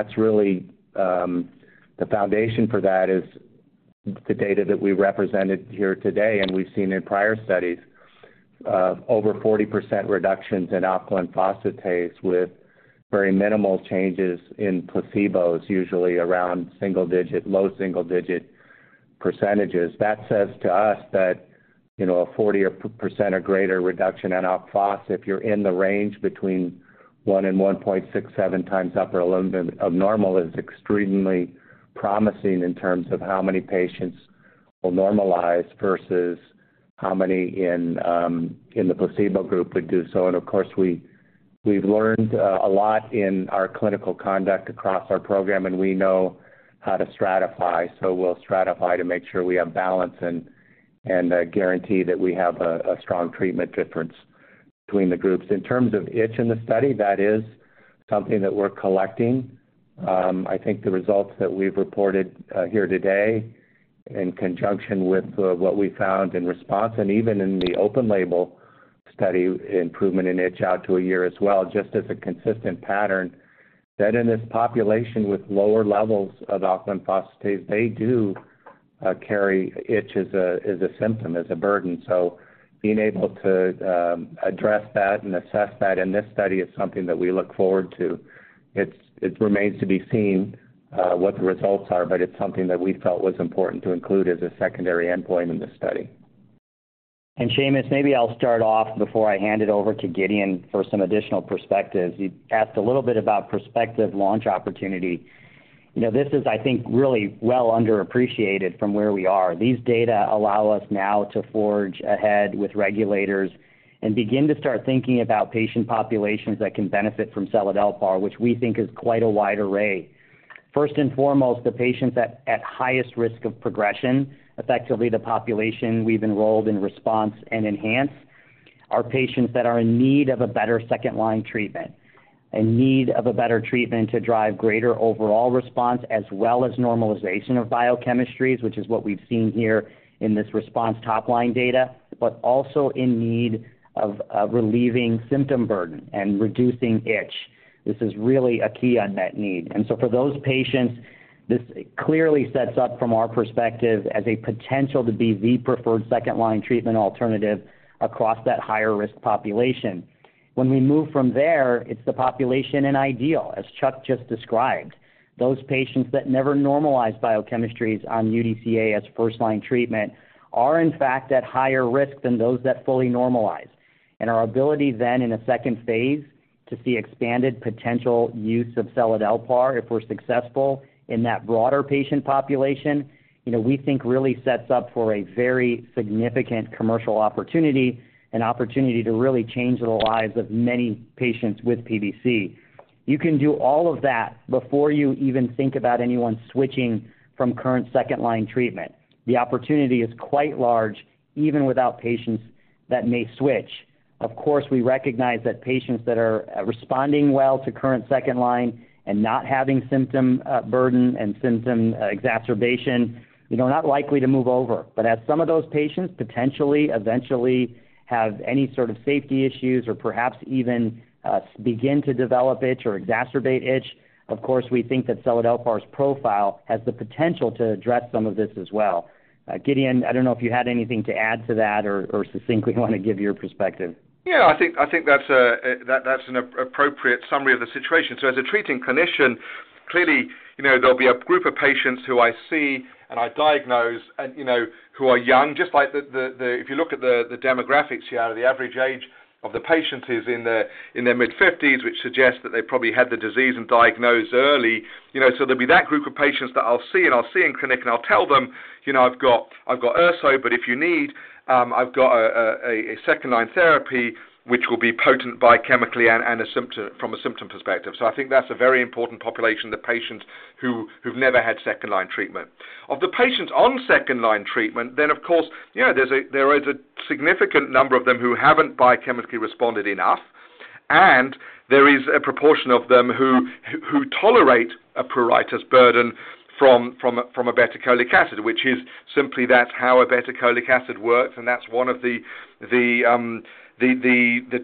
the foundation for that is the data that we represented here today, and we've seen in prior studies over 40% reductions in alkaline phosphatase with very minimal changes in placebos, usually around single-digit, low single-digit %. That says to us that a 40% or greater reduction in ALP, if you're in the range between 1 and 1.67 times upper limit of normal, is extremely promising in terms of how many patients will normalize versus how many in the placebo group would do so. And of course, we've learned a lot in our clinical conduct across our program, and we know how to stratify. So we'll stratify to make sure we have balance and guarantee that we have a strong treatment difference between the groups. In terms of itch in the study, that is something that we're collecting. I think the results that we've reported here today in conjunction with what we found in RESPONSE and even in the open-label study, improvement in itch out to a year as well, just as a consistent pattern, that in this population with lower levels of alkaline phosphatase, they do carry itch as a symptom, as a burden. So being able to address that and assess that in this study is something that we look forward to. It remains to be seen what the results are, but it's something that we felt was important to include as a secondary endpoint in the study. And Seamus, maybe I'll start off before I hand it over to Gideon for some additional perspectives. You asked a little bit about prospective launch opportunity. This is, I think, really well underappreciated from where we are. These data allow us now to forge ahead with regulators and begin to start thinking about patient populations that can benefit from seladelpar, which we think is quite a wide array. First and foremost, the patients at highest risk of progression, effectively the population we've enrolled in RESPONSE and ENHANCE, are patients that are in need of a better second-line treatment, in need of a better treatment to drive greater overall response as well as normalization of biochemistries, which is what we've seen here in this RESPONSE top-line data, but also in need of relieving symptom burden and reducing itch. This is really a key unmet need. And so for those patients, this clearly sets up, from our perspective, as a potential to be the preferred second-line treatment alternative across that higher-risk population. When we move from there, it's the population in IDEAL, as Chuck just described. Those patients that never normalize biochemistries on UDCA as first-line treatment are, in fact, at higher risk than those that fully normalize. And our ability then, in a second phase, to see expanded potential use of Seladelpar, if we're successful in that broader patient population, we think really sets up for a very significant commercial opportunity, an opportunity to really change the lives of many patients with PBC. You can do all of that before you even think about anyone switching from current second-line treatment. The opportunity is quite large, even without patients that may switch. Of course, we recognize that patients that are responding well to current second-line and not having symptom burden and symptom exacerbation are not likely to move over. But as some of those patients potentially, eventually, have any sort of safety issues or perhaps even begin to develop itch or exacerbate itch, of course, we think that seladelpar's profile has the potential to address some of this as well. Gideon, I don't know if you had anything to add to that or succinctly want to give your perspective. Yeah. I think that's an appropriate summary of the situation. So as a treating clinician, clearly, there'll be a group of patients who I see and I diagnose who are young, just like if you look at the demographics here, the average age of the patients is in their mid-50s, which suggests that they probably had the disease and diagnosed early. So there'll be that group of patients that I'll see, and I'll see in clinic, and I'll tell them, "I've got urso, but if you need, I've got a second-line therapy which will be potent biochemically and from a symptom perspective." So I think that's a very important population, the patients who've never had second-line treatment. Of the patients on second-line treatment, then, of course, there is a significant number of them who haven't biochemically responded enough. There is a proportion of them who tolerate a pruritus burden from obeticholic acid, which is simply that's how obeticholic acid works, and that's one of the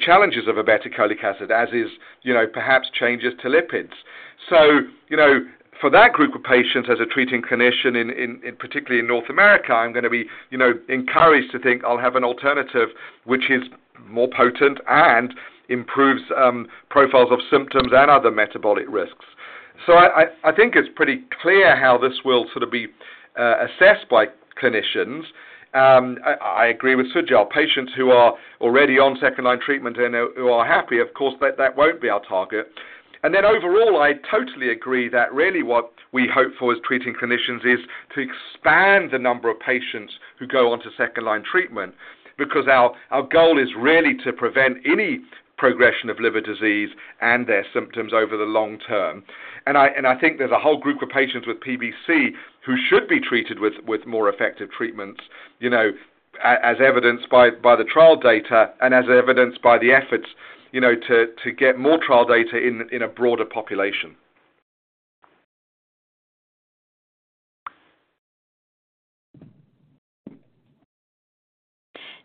challenges of obeticholic acid, as is perhaps changes to lipids. So for that group of patients, as a treating clinician, particularly in North America, I'm going to be encouraged to think, "I'll have an alternative which is more potent and improves profiles of symptoms and other metabolic risks." So I think it's pretty clear how this will sort of be assessed by clinicians. I agree with Sujal. Patients who are already on second-line treatment and who are happy, of course, that won't be our target. And then overall, I totally agree that really what we hope for as treating clinicians is to expand the number of patients who go onto second-line treatment because our goal is really to prevent any progression of liver disease and their symptoms over the long term. And I think there's a whole group of patients with PBC who should be treated with more effective treatments, as evidenced by the trial data and as evidenced by the efforts to get more trial data in a broader population.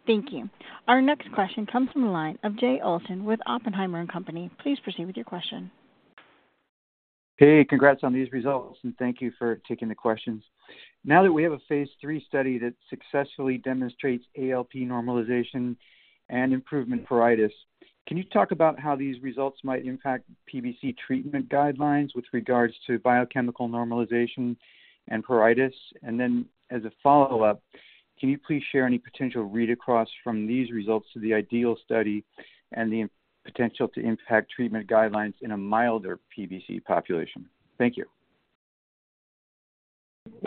Thank you. Our next question comes from the line of Jay Olson with Oppenheimer & Co. Please proceed with your question. Hey. Congrats on these results, and thank you for taking the questions. Now that we have a phase 3 study that successfully demonstrates ALP normalization and improvement pruritus, can you talk about how these results might impact PBC treatment guidelines with regards to biochemical normalization and pruritus? And then as a follow-up, can you please share any potential read-across from these results to the IDEAL study and the potential to impact treatment guidelines in a milder PBC population? Thank you.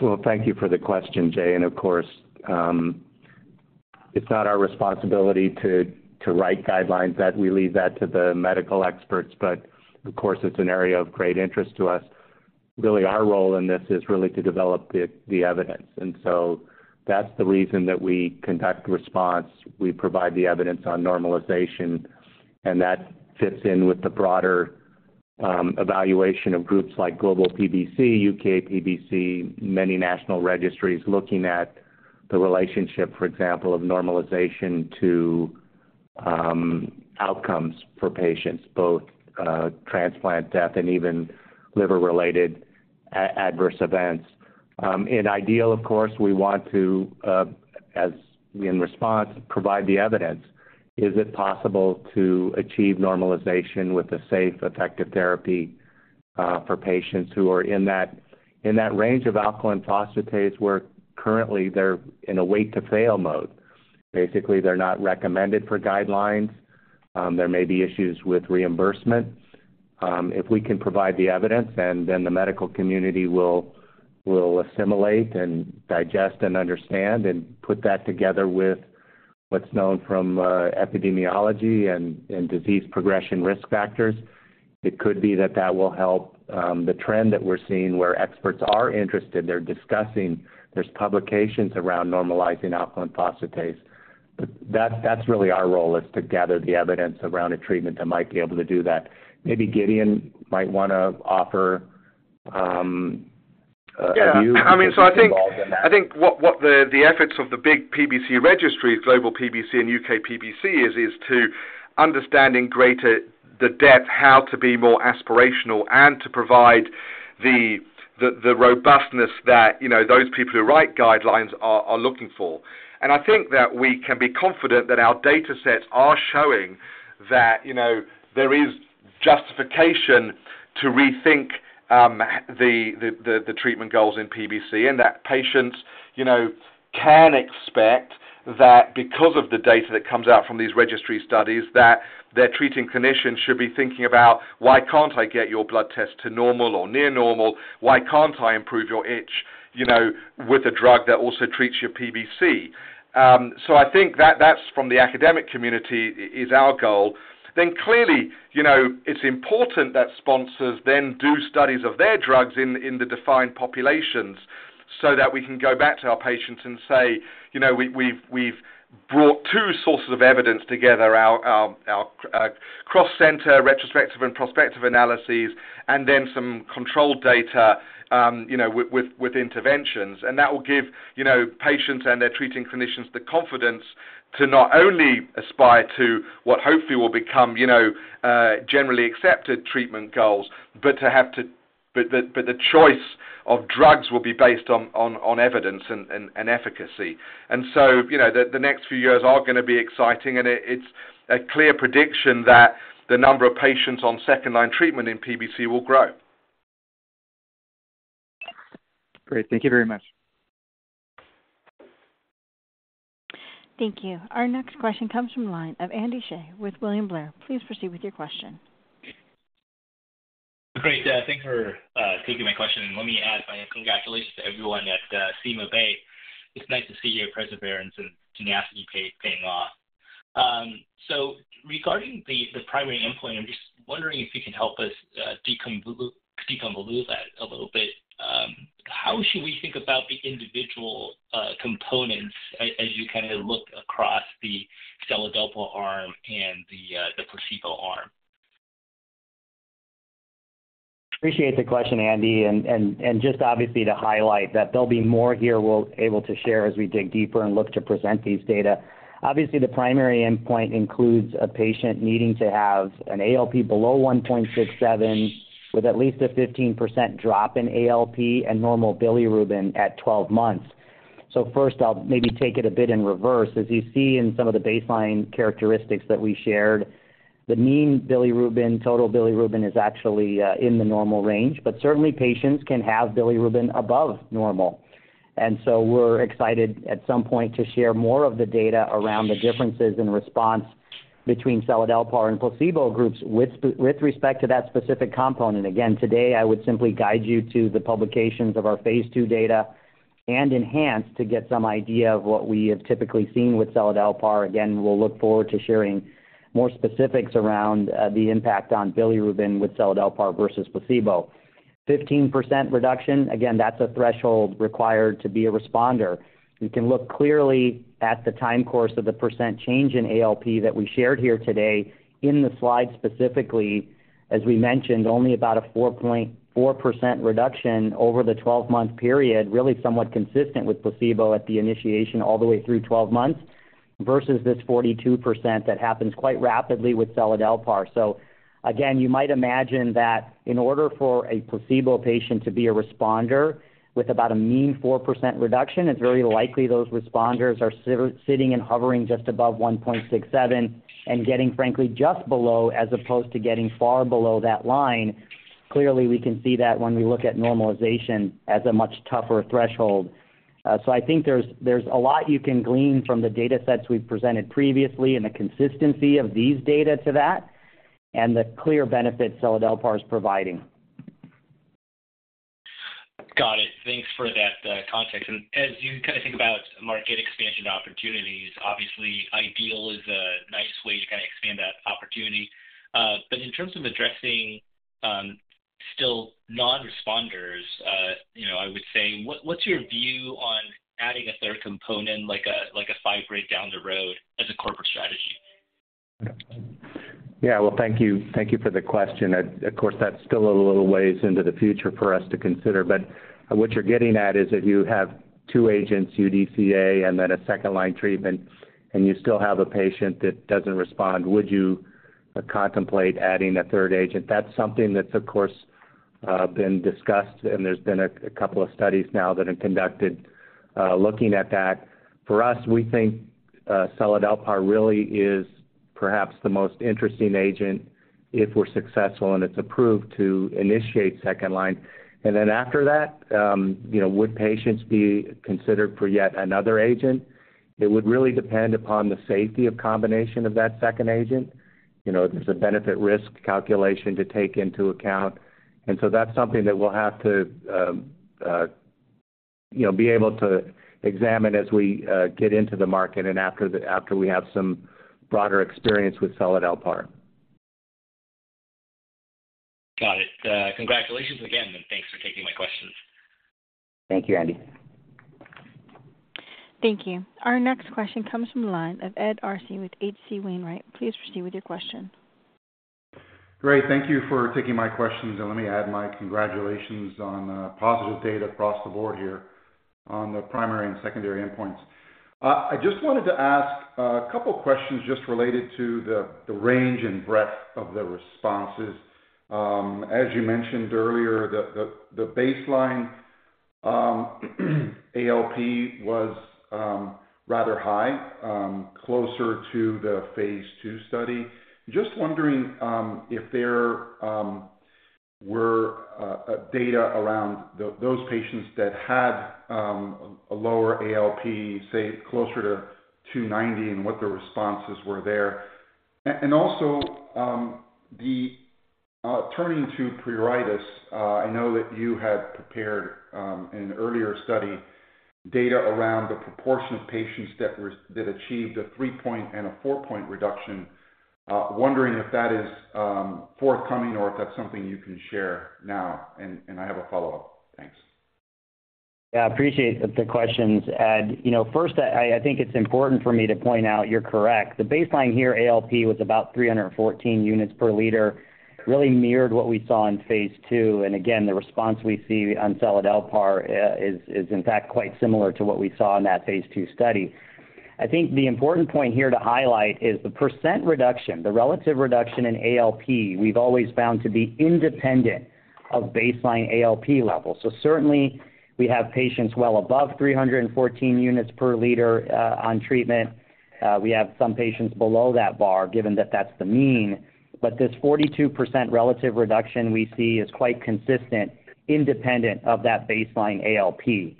Well, thank you for the question, Jay. And of course, it's not our responsibility to write guidelines. We leave that to the medical experts. But of course, it's an area of great interest to us. Really, our role in this is really to develop the evidence. And so that's the reason that we conduct RESPONSE. We provide the evidence on normalization, and that fits in with the broader evaluation of groups like Global PBC, UK-PBC, many national registries looking at the relationship, for example, of normalization to outcomes for patients, both transplant death and even liver-related adverse events. In IDEAL, of course, we want to, in RESPONSE, provide the evidence. Is it possible to achieve normalization with a safe, effective therapy for patients who are in that range of Alkaline Phosphatase where currently they're in a wait-to-fail mode? Basically, they're not recommended for guidelines. There may be issues with reimbursement. If we can provide the evidence, then the medical community will assimilate and digest and understand and put that together with what's known from epidemiology and disease progression risk factors. It could be that that will help the trend that we're seeing where experts are interested. There's publications around normalizing Alkaline Phosphatase. But that's really our role, is to gather the evidence around a treatment that might be able to do that. Maybe Gideon might want to offer a view involving all of that. Yeah. I mean, so I think what the efforts of the big PBC registries, Global PBC and UK-PBC, is to understand the depth, how to be more aspirational, and to provide the robustness that those people who write guidelines are looking for. And I think that we can be confident that our datasets are showing that there is justification to rethink the treatment goals in PBC and that patients can expect that because of the data that comes out from these registry studies, that their treating clinician should be thinking about, "Why can't I get your blood test to normal or near normal? Why can't I improve your itch with a drug that also treats your PBC?" So I think that that's, from the academic community, is our goal. Then clearly, it's important that sponsors then do studies of their drugs in the defined populations so that we can go back to our patients and say, "We've brought two sources of evidence together, our cross-center, retrospective, and prospective analyses, and then some controlled data with interventions." That will give patients and their treating clinicians the confidence to not only aspire to what hopefully will become generally accepted treatment goals, but the choice of drugs will be based on evidence and efficacy. So the next few years are going to be exciting, and it's a clear prediction that the number of patients on second-line treatment in PBC will grow. Great. Thank you very much. Thank you. Our next question comes from the line of Andy Hsieh with William Blair. Please proceed with your question. Great. Thanks for taking my question. Let me add my congratulations to everyone at CymaBay. It's nice to see your perseverance and tenacity paying off. Regarding the primary endpoint, I'm just wondering if you can help us deconvolute that a little bit. How should we think about the individual components as you kind of look across the seladelpar arm and the placebo arm? Appreciate the question, Andy. And just obviously to highlight that there'll be more here we'll be able to share as we dig deeper and look to present these data. Obviously, the primary endpoint includes a patient needing to have an ALP below 1.67 with at least a 15% drop in ALP and normal bilirubin at 12 months. So first, I'll maybe take it a bit in reverse. As you see in some of the baseline characteristics that we shared, the mean bilirubin, total bilirubin, is actually in the normal range. But certainly, patients can have bilirubin above normal. And so we're excited at some point to share more of the data around the differences in response between seladelpar and placebo groups with respect to that specific component. Again, today, I would simply guide you to the publications of our phase 2 data and ENHANCE to get some idea of what we have typically seen with seladelpar. Again, we'll look forward to sharing more specifics around the impact on bilirubin with seladelpar versus placebo. 15% reduction, again, that's a threshold required to be a responder. You can look clearly at the time course of the percent change in ALP that we shared here today. In the slide specifically, as we mentioned, only about a 4.4% reduction over the 12-month period, really somewhat consistent with placebo at the initiation all the way through 12 months versus this 42% that happens quite rapidly with seladelpar. So again, you might imagine that in order for a placebo patient to be a responder with about a mean 4% reduction, it's very likely those responders are sitting and hovering just above 1.67 and getting, frankly, just below as opposed to getting far below that line. Clearly, we can see that when we look at normalization as a much tougher threshold. So I think there's a lot you can glean from the datasets we've presented previously and the consistency of these data to that and the clear benefit seladelpar is providing. Got it. Thanks for that context. And as you kind of think about market expansion opportunities, obviously, IDEAL is a nice way to kind of expand that opportunity. But in terms of addressing still non-responders, I would say, what's your view on adding a third component, like a fibrate down the road, as a corporate strategy? Yeah. Well, thank you for the question. Of course, that still a little ways into the future for us to consider. But what you're getting at is if you have two agents, UDCA and then a second-line treatment, and you still have a patient that doesn't respond, would you contemplate adding a third agent? That's something that's, of course, been discussed, and there's been a couple of studies now that are conducted looking at that. For us, we think seladelpar really is perhaps the most interesting agent if we're successful and it's approved to initiate second-line. And then after that, would patients be considered for yet another agent? It would really depend upon the safety of combination of that second agent. There's a benefit-risk calculation to take into account. That's something that we'll have to be able to examine as we get into the market and after we have some broader experience with seladelpar. Got it. Congratulations again, and thanks for taking my questions. Thank you, Andy. Thank you. Our next question comes from the line of Ed Arce with H.C. Wainwright. Please proceed with your question. Great. Thank you for taking my questions. And let me add my congratulations on positive data across the board here on the primary and secondary endpoints. I just wanted to ask a couple of questions just related to the range and breadth of the responses. As you mentioned earlier, the baseline ALP was rather high, closer to the phase 2 study. Just wondering if there were data around those patients that had a lower ALP, say closer to 290, and what the responses were there. And also turning to pruritus, I know that you had prepared in an earlier study data around the proportion of patients that achieved a 3-point and a 4-point reduction. Wondering if that is forthcoming or if that's something you can share now. And I have a follow-up. Thanks. Yeah. I appreciate the questions, Ed. First, I think it's important for me to point out you're correct. The baseline here, ALP, was about 314 units per liter, really mirrored what we saw in phase two. And again, the response we see on seladelpar is, in fact, quite similar to what we saw in that phase two study. I think the important point here to highlight is the percent reduction, the relative reduction in ALP, we've always found to be independent of baseline ALP levels. So certainly, we have patients well above 314 units per liter on treatment. We have some patients below that bar given that that's the mean. But this 42% relative reduction we see is quite consistent, independent of that baseline ALP.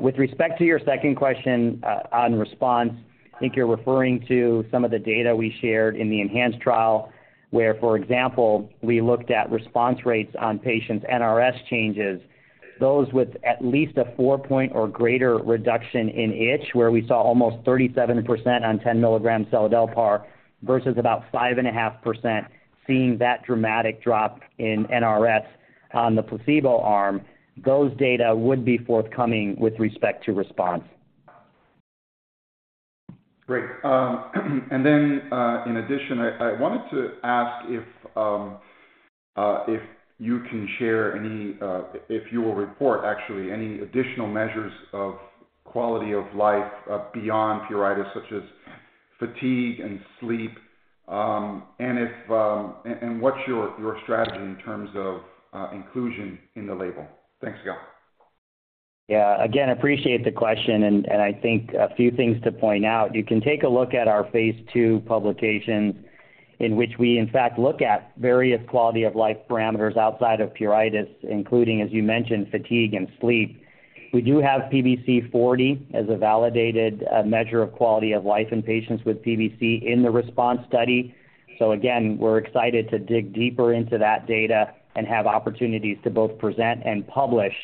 With respect to your second question on RESPONSE, I think you're referring to some of the data we shared in the ENHANCE trial where, for example, we looked at RESPONSE rates on patients' NRS changes, those with at least a 4-point or greater reduction in itch, where we saw almost 37% on 10 milligrams seladelpar versus about 5.5% seeing that dramatic drop in NRS on the placebo arm. Those data would be forthcoming with respect to RESPONSE. Great. And then in addition, I wanted to ask if you can share, actually, any additional measures of quality of life beyond pruritus such as fatigue and sleep and what's your strategy in terms of inclusion in the label. Thanks, Sujai. Yeah. Again, appreciate the question. I think a few things to point out. You can take a look at our phase 2 publications in which we, in fact, look at various quality-of-life parameters outside of pruritus, including, as you mentioned, fatigue and sleep. We do have PBC-40 as a validated measure of quality of life in patients with PBC in the RESPONSE study. So again, we're excited to dig deeper into that data and have opportunities to both present and publish.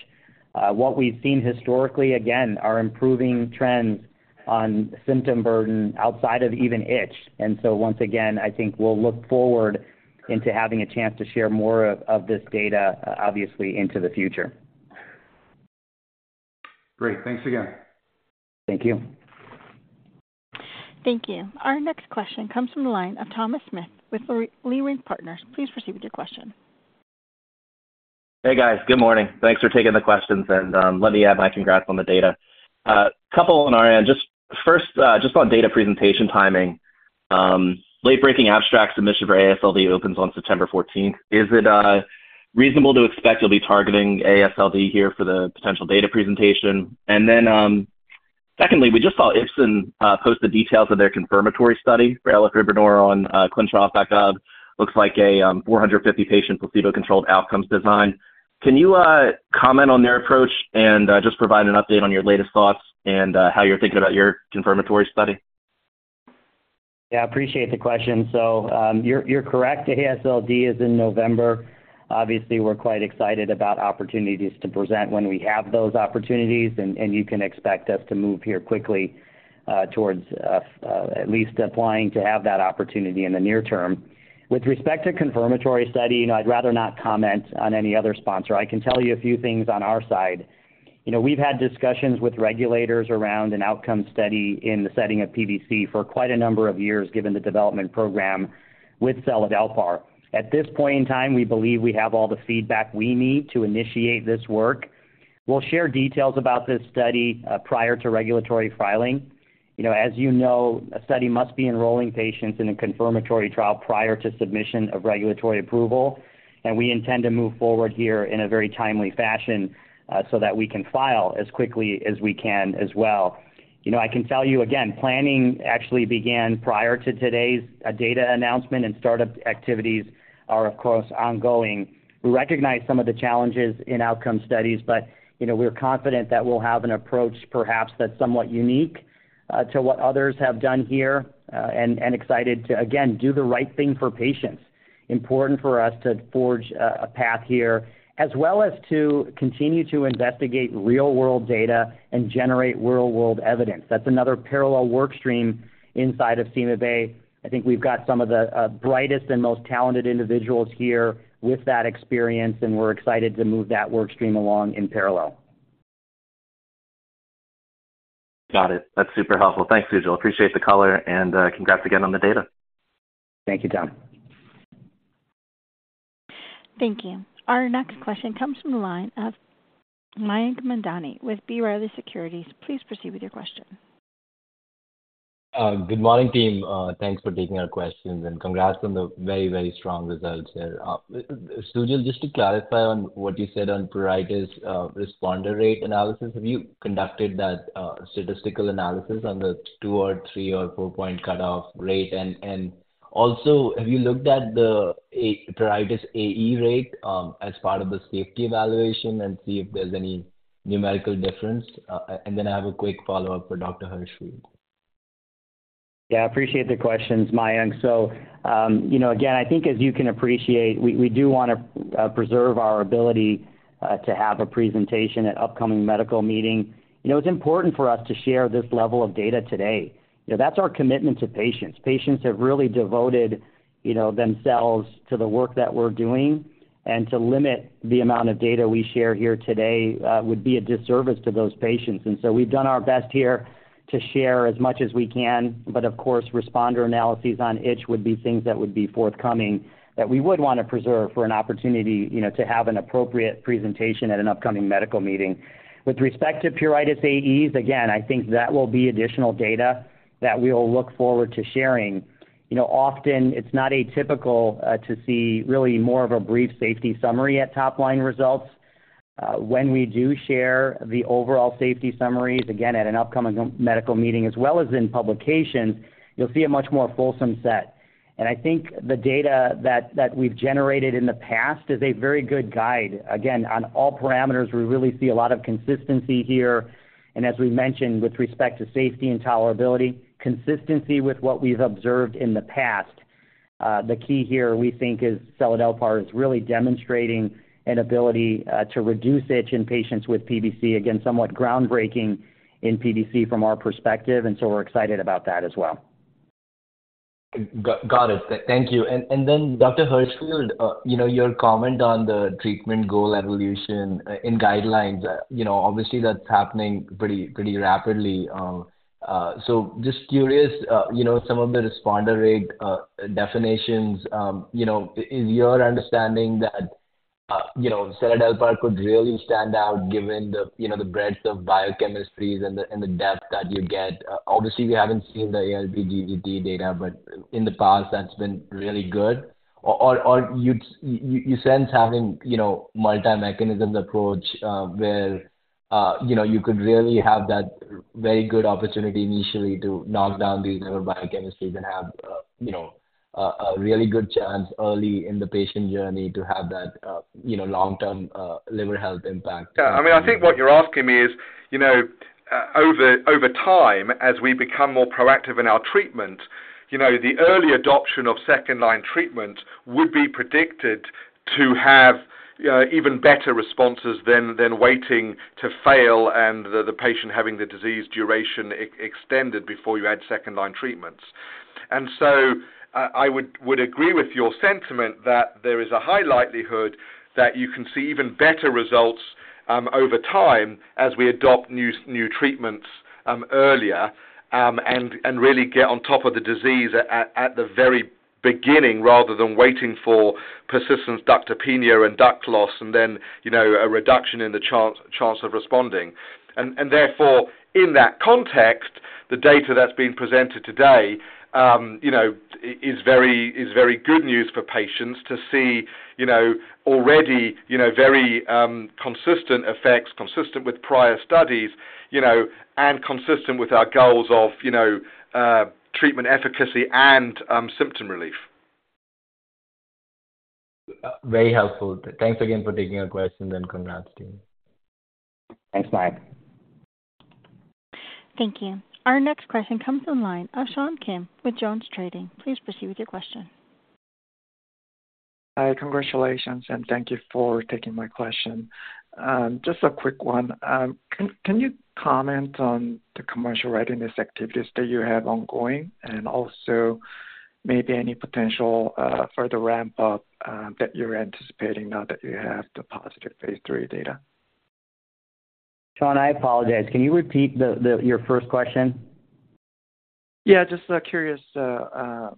What we've seen historically, again, are improving trends on symptom burden outside of even itch. And so once again, I think we'll look forward into having a chance to share more of this data, obviously, into the future. Great. Thanks again. Thank you. Thank you. Our next question comes from the line of Thomas Smith with Leerink Partners. Please proceed with your question. Hey, guys. Good morning. Thanks for taking the questions. Let me add my congrats on the data. A couple on our end. First, just on data presentation timing, late-breaking abstract submission for AASLD opens on September 14th. Is it reasonable to expect you'll be targeting AASLD here for the potential data presentation? Then secondly, we just saw Ipsen post the details of their confirmatory study for elafibranor on clinicaltrials.gov. Looks like a 450-patient placebo-controlled outcomes design. Can you comment on their approach and just provide an update on your latest thoughts and how you're thinking about your confirmatory study? Yeah. I appreciate the question. You're correct. ASLD is in November. Obviously, we're quite excited about opportunities to present when we have those opportunities. You can expect us to move here quickly towards at least applying to have that opportunity in the near term. With respect to confirmatory study, I'd rather not comment on any other sponsor. I can tell you a few things on our side. We've had discussions with regulators around an outcome study in the setting of PBC for quite a number of years given the development program with seladelpar. At this point in time, we believe we have all the feedback we need to initiate this work. We'll share details about this study prior to regulatory filing. As you know, a study must be enrolling patients in a confirmatory trial prior to submission of regulatory approval. We intend to move forward here in a very timely fashion so that we can file as quickly as we can as well. I can tell you, again, planning actually began prior to today's data announcement, and startup activities are, of course, ongoing. We recognize some of the challenges in outcome studies, but we're confident that we'll have an approach, perhaps, that's somewhat unique to what others have done here and excited to, again, do the right thing for patients. Important for us to forge a path here as well as to continue to investigate real-world data and generate real-world evidence. That's another parallel workstream inside of CymaBay. I think we've got some of the brightest and most talented individuals here with that experience, and we're excited to move that workstream along in parallel. Got it. That's super helpful. Thanks, Sujal. Appreciate the color, and congrats again on the data. Thank you, Tom. Thank you. Our next question comes from the line of Mayank Mamtani with B. Riley Securities. Please proceed with your question. Good morning, team. Thanks for taking our questions, and congrats on the very, very strong results here. Sujal, just to clarify on what you said on pruritus responder rate analysis, have you conducted that statistical analysis on the 2 or 3 or 4-point cutoff rate? And also, have you looked at the pruritus AE rate as part of the safety evaluation and see if there's any numerical difference? And then I have a quick follow-up for Dr. Hirschfield. Yeah. I appreciate the questions, Mayank. So again, I think as you can appreciate, we do want to preserve our ability to have a presentation at upcoming medical meetings. It's important for us to share this level of data today. That's our commitment to patients. Patients have really devoted themselves to the work that we're doing. And to limit the amount of data we share here today would be a disservice to those patients. And so we've done our best here to share as much as we can. But of course, responder analyses on itch would be things that would be forthcoming that we would want to preserve for an opportunity to have an appropriate presentation at an upcoming medical meeting. With respect to pruritus AEs, again, I think that will be additional data that we'll look forward to sharing. Often, it's not atypical to see really more of a brief safety summary at top-line results. When we do share the overall safety summaries, again, at an upcoming medical meeting as well as in publications, you'll see a much more fulsome set. I think the data that we've generated in the past is a very good guide. Again, on all parameters, we really see a lot of consistency here. As we mentioned, with respect to safety and tolerability, consistency with what we've observed in the past. The key here, we think, is seladelpar is really demonstrating an ability to reduce itch in patients with PBC. Again, somewhat groundbreaking in PBC from our perspective. And so we're excited about that as well. Got it. Thank you. And then Dr. Hirschfield, your comment on the treatment goal evolution in guidelines. Obviously, that's happening pretty rapidly. So just curious, some of the responder rate definitions, is your understanding that seladelpar could really stand out given the breadth of biochemistries and the depth that you get? Obviously, we haven't seen the ALP/GGT data, but in the past, that's been really good. Or you sense having a multi-mechanisms approach where you could really have that very good opportunity initially to knock down these liver biochemistries and have a really good chance early in the patient journey to have that long-term liver health impact. Yeah. I mean, I think what you're asking me is, over time, as we become more proactive in our treatments, the early adoption of second-line treatments would be predicted to have even better responses than waiting to fail and the patient having the disease duration extended before you add second-line treatments. And so I would agree with your sentiment that there is a high likelihood that you can see even better results over time as we adopt new treatments earlier and really get on top of the disease at the very beginning rather than waiting for persistent ductopenia and duct loss and then a reduction in the chance of responding. And therefore, in that context, the data that's being presented today is very good news for patients to see already very consistent effects, consistent with prior studies, and consistent with our goals of treatment efficacy and symptom relief. Very helpful. Thanks again for taking our questions, and congrats, team. Thanks, Mayank. Thank you. Our next question comes from the line of Sean Kim with JonesTrading. Please proceed with your question. Hi. Congratulations, and thank you for taking my question. Just a quick one. Can you comment on the commercial readiness activities that you have ongoing and also maybe any potential further ramp-up that you're anticipating now that you have the positive phase 3 data? Sean, I apologize. Can you repeat your first question? Yeah. Just curious the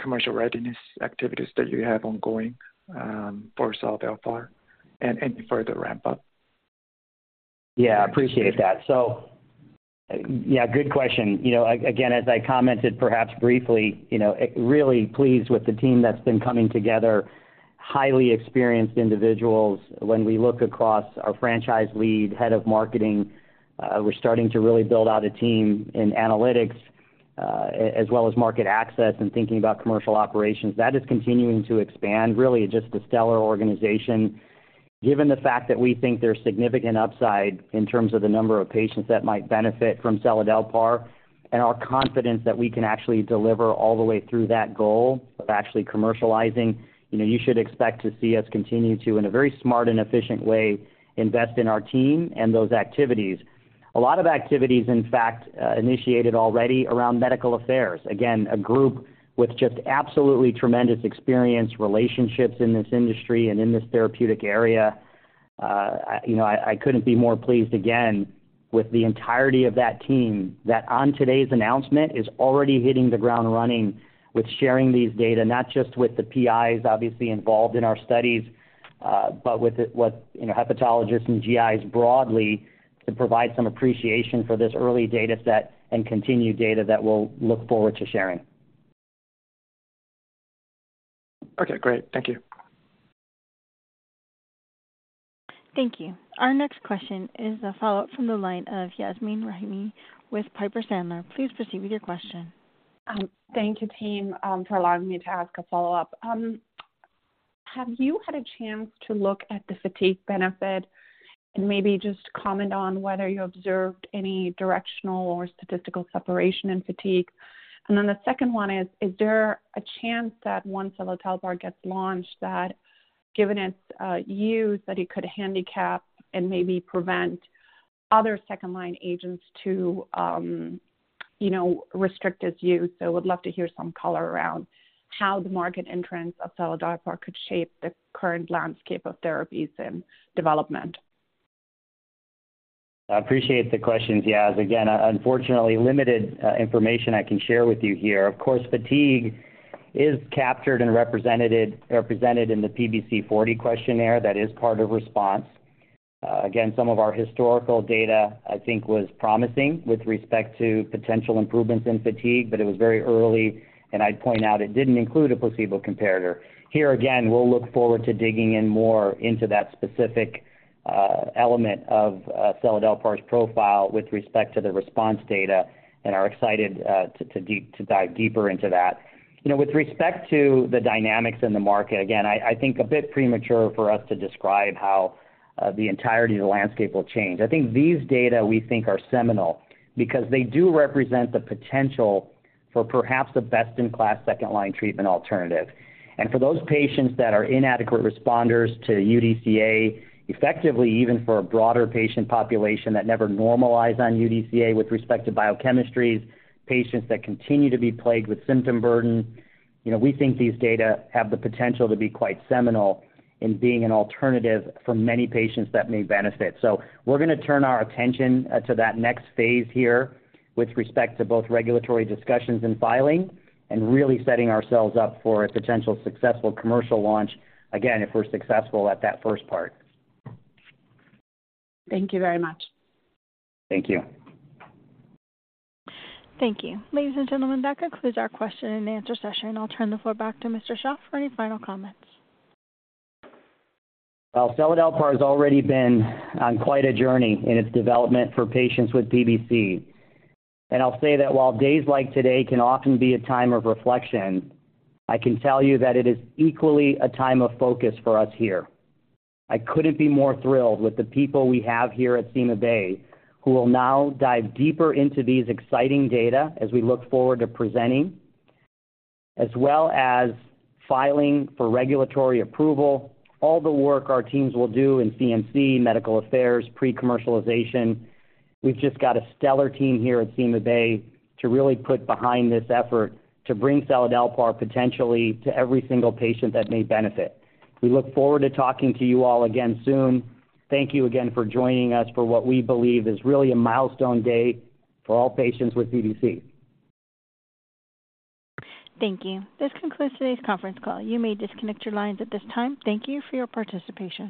commercial readiness activities that you have ongoing for seladelpar and any further ramp-up. Yeah. I appreciate that. So yeah, good question. Again, as I commented perhaps briefly, really pleased with the team that's been coming together, highly experienced individuals. When we look across our franchise lead, head of marketing, we're starting to really build out a team in analytics as well as market access and thinking about commercial operations. That is continuing to expand. Really, it's just a stellar organization given the fact that we think there's significant upside in terms of the number of patients that might benefit from seladelpar and our confidence that we can actually deliver all the way through that goal of actually commercializing. You should expect to see us continue to, in a very smart and efficient way, invest in our team and those activities. A lot of activities, in fact, initiated already around medical affairs. Again, a group with just absolutely tremendous experience, relationships in this industry and in this therapeutic area. I couldn't be more pleased, again, with the entirety of that team that, on today's announcement, is already hitting the ground running with sharing these data, not just with the PIs, obviously, involved in our studies, but with hepatologists and GIs broadly to provide some appreciation for this early data set and continued data that we'll look forward to sharing. Okay. Great. Thank you. Thank you. Our next question is a follow-up from the line of Yasmeen Rahimi with Piper Sandler. Please proceed with your question. Thank you, team, for allowing me to ask a follow-up. Have you had a chance to look at the fatigue benefit and maybe just comment on whether you observed any directional or statistical separation in fatigue? And then the second one is, is there a chance that once seladelpar gets launched, that given its use, that it could handicap and maybe prevent other second-line agents to restrict its use? So we'd love to hear some color around how the market entrance of seladelpar could shape the current landscape of therapies in development. I appreciate the questions. Yeah. Again, unfortunately, limited information I can share with you here. Of course, fatigue is captured and represented in the PBC-40 questionnaire. That is part of RESPONSE. Again, some of our historical data, I think, was promising with respect to potential improvements in fatigue, but it was very early. I'd point out it didn't include a placebo comparator. Here again, we'll look forward to digging in more into that specific element of seladelpar's profile with respect to the RESPONSE data, and are excited to dive deeper into that. With respect to the dynamics in the market, again, I think a bit premature for us to describe how the entirety of the landscape will change. I think these data we think are seminal because they do represent the potential for perhaps a best-in-class second-line treatment alternative. For those patients that are inadequate responders to UDCA, effectively, even for a broader patient population that never normalize on UDCA with respect to biochemistries, patients that continue to be plagued with symptom burden, we think these data have the potential to be quite seminal in being an alternative for many patients that may benefit. So we're going to turn our attention to that next phase here with respect to both regulatory discussions and filing and really setting ourselves up for a potential successful commercial launch, again, if we're successful at that first part. Thank you very much. Thank you. Thank you. Ladies and gentlemen, that concludes our question-and-answer session. I'll turn the floor back to Mr. Shah for any final comments. Well, seladelpar has already been on quite a journey in its development for patients with PBC. I'll say that while days like today can often be a time of reflection, I can tell you that it is equally a time of focus for us here. I couldn't be more thrilled with the people we have here at CymaBay who will now dive deeper into these exciting data as we look forward to presenting, as well as filing for regulatory approval, all the work our teams will do in CMC, medical affairs, pre-commercialization. We've just got a stellar team here at CymaBay to really put behind this effort to bring seladelpar potentially to every single patient that may benefit. We look forward to talking to you all again soon. Thank you again for joining us for what we believe is really a milestone day for all patients with PBC. Thank you. This concludes today's conference call. You may disconnect your lines at this time. Thank you for your participation.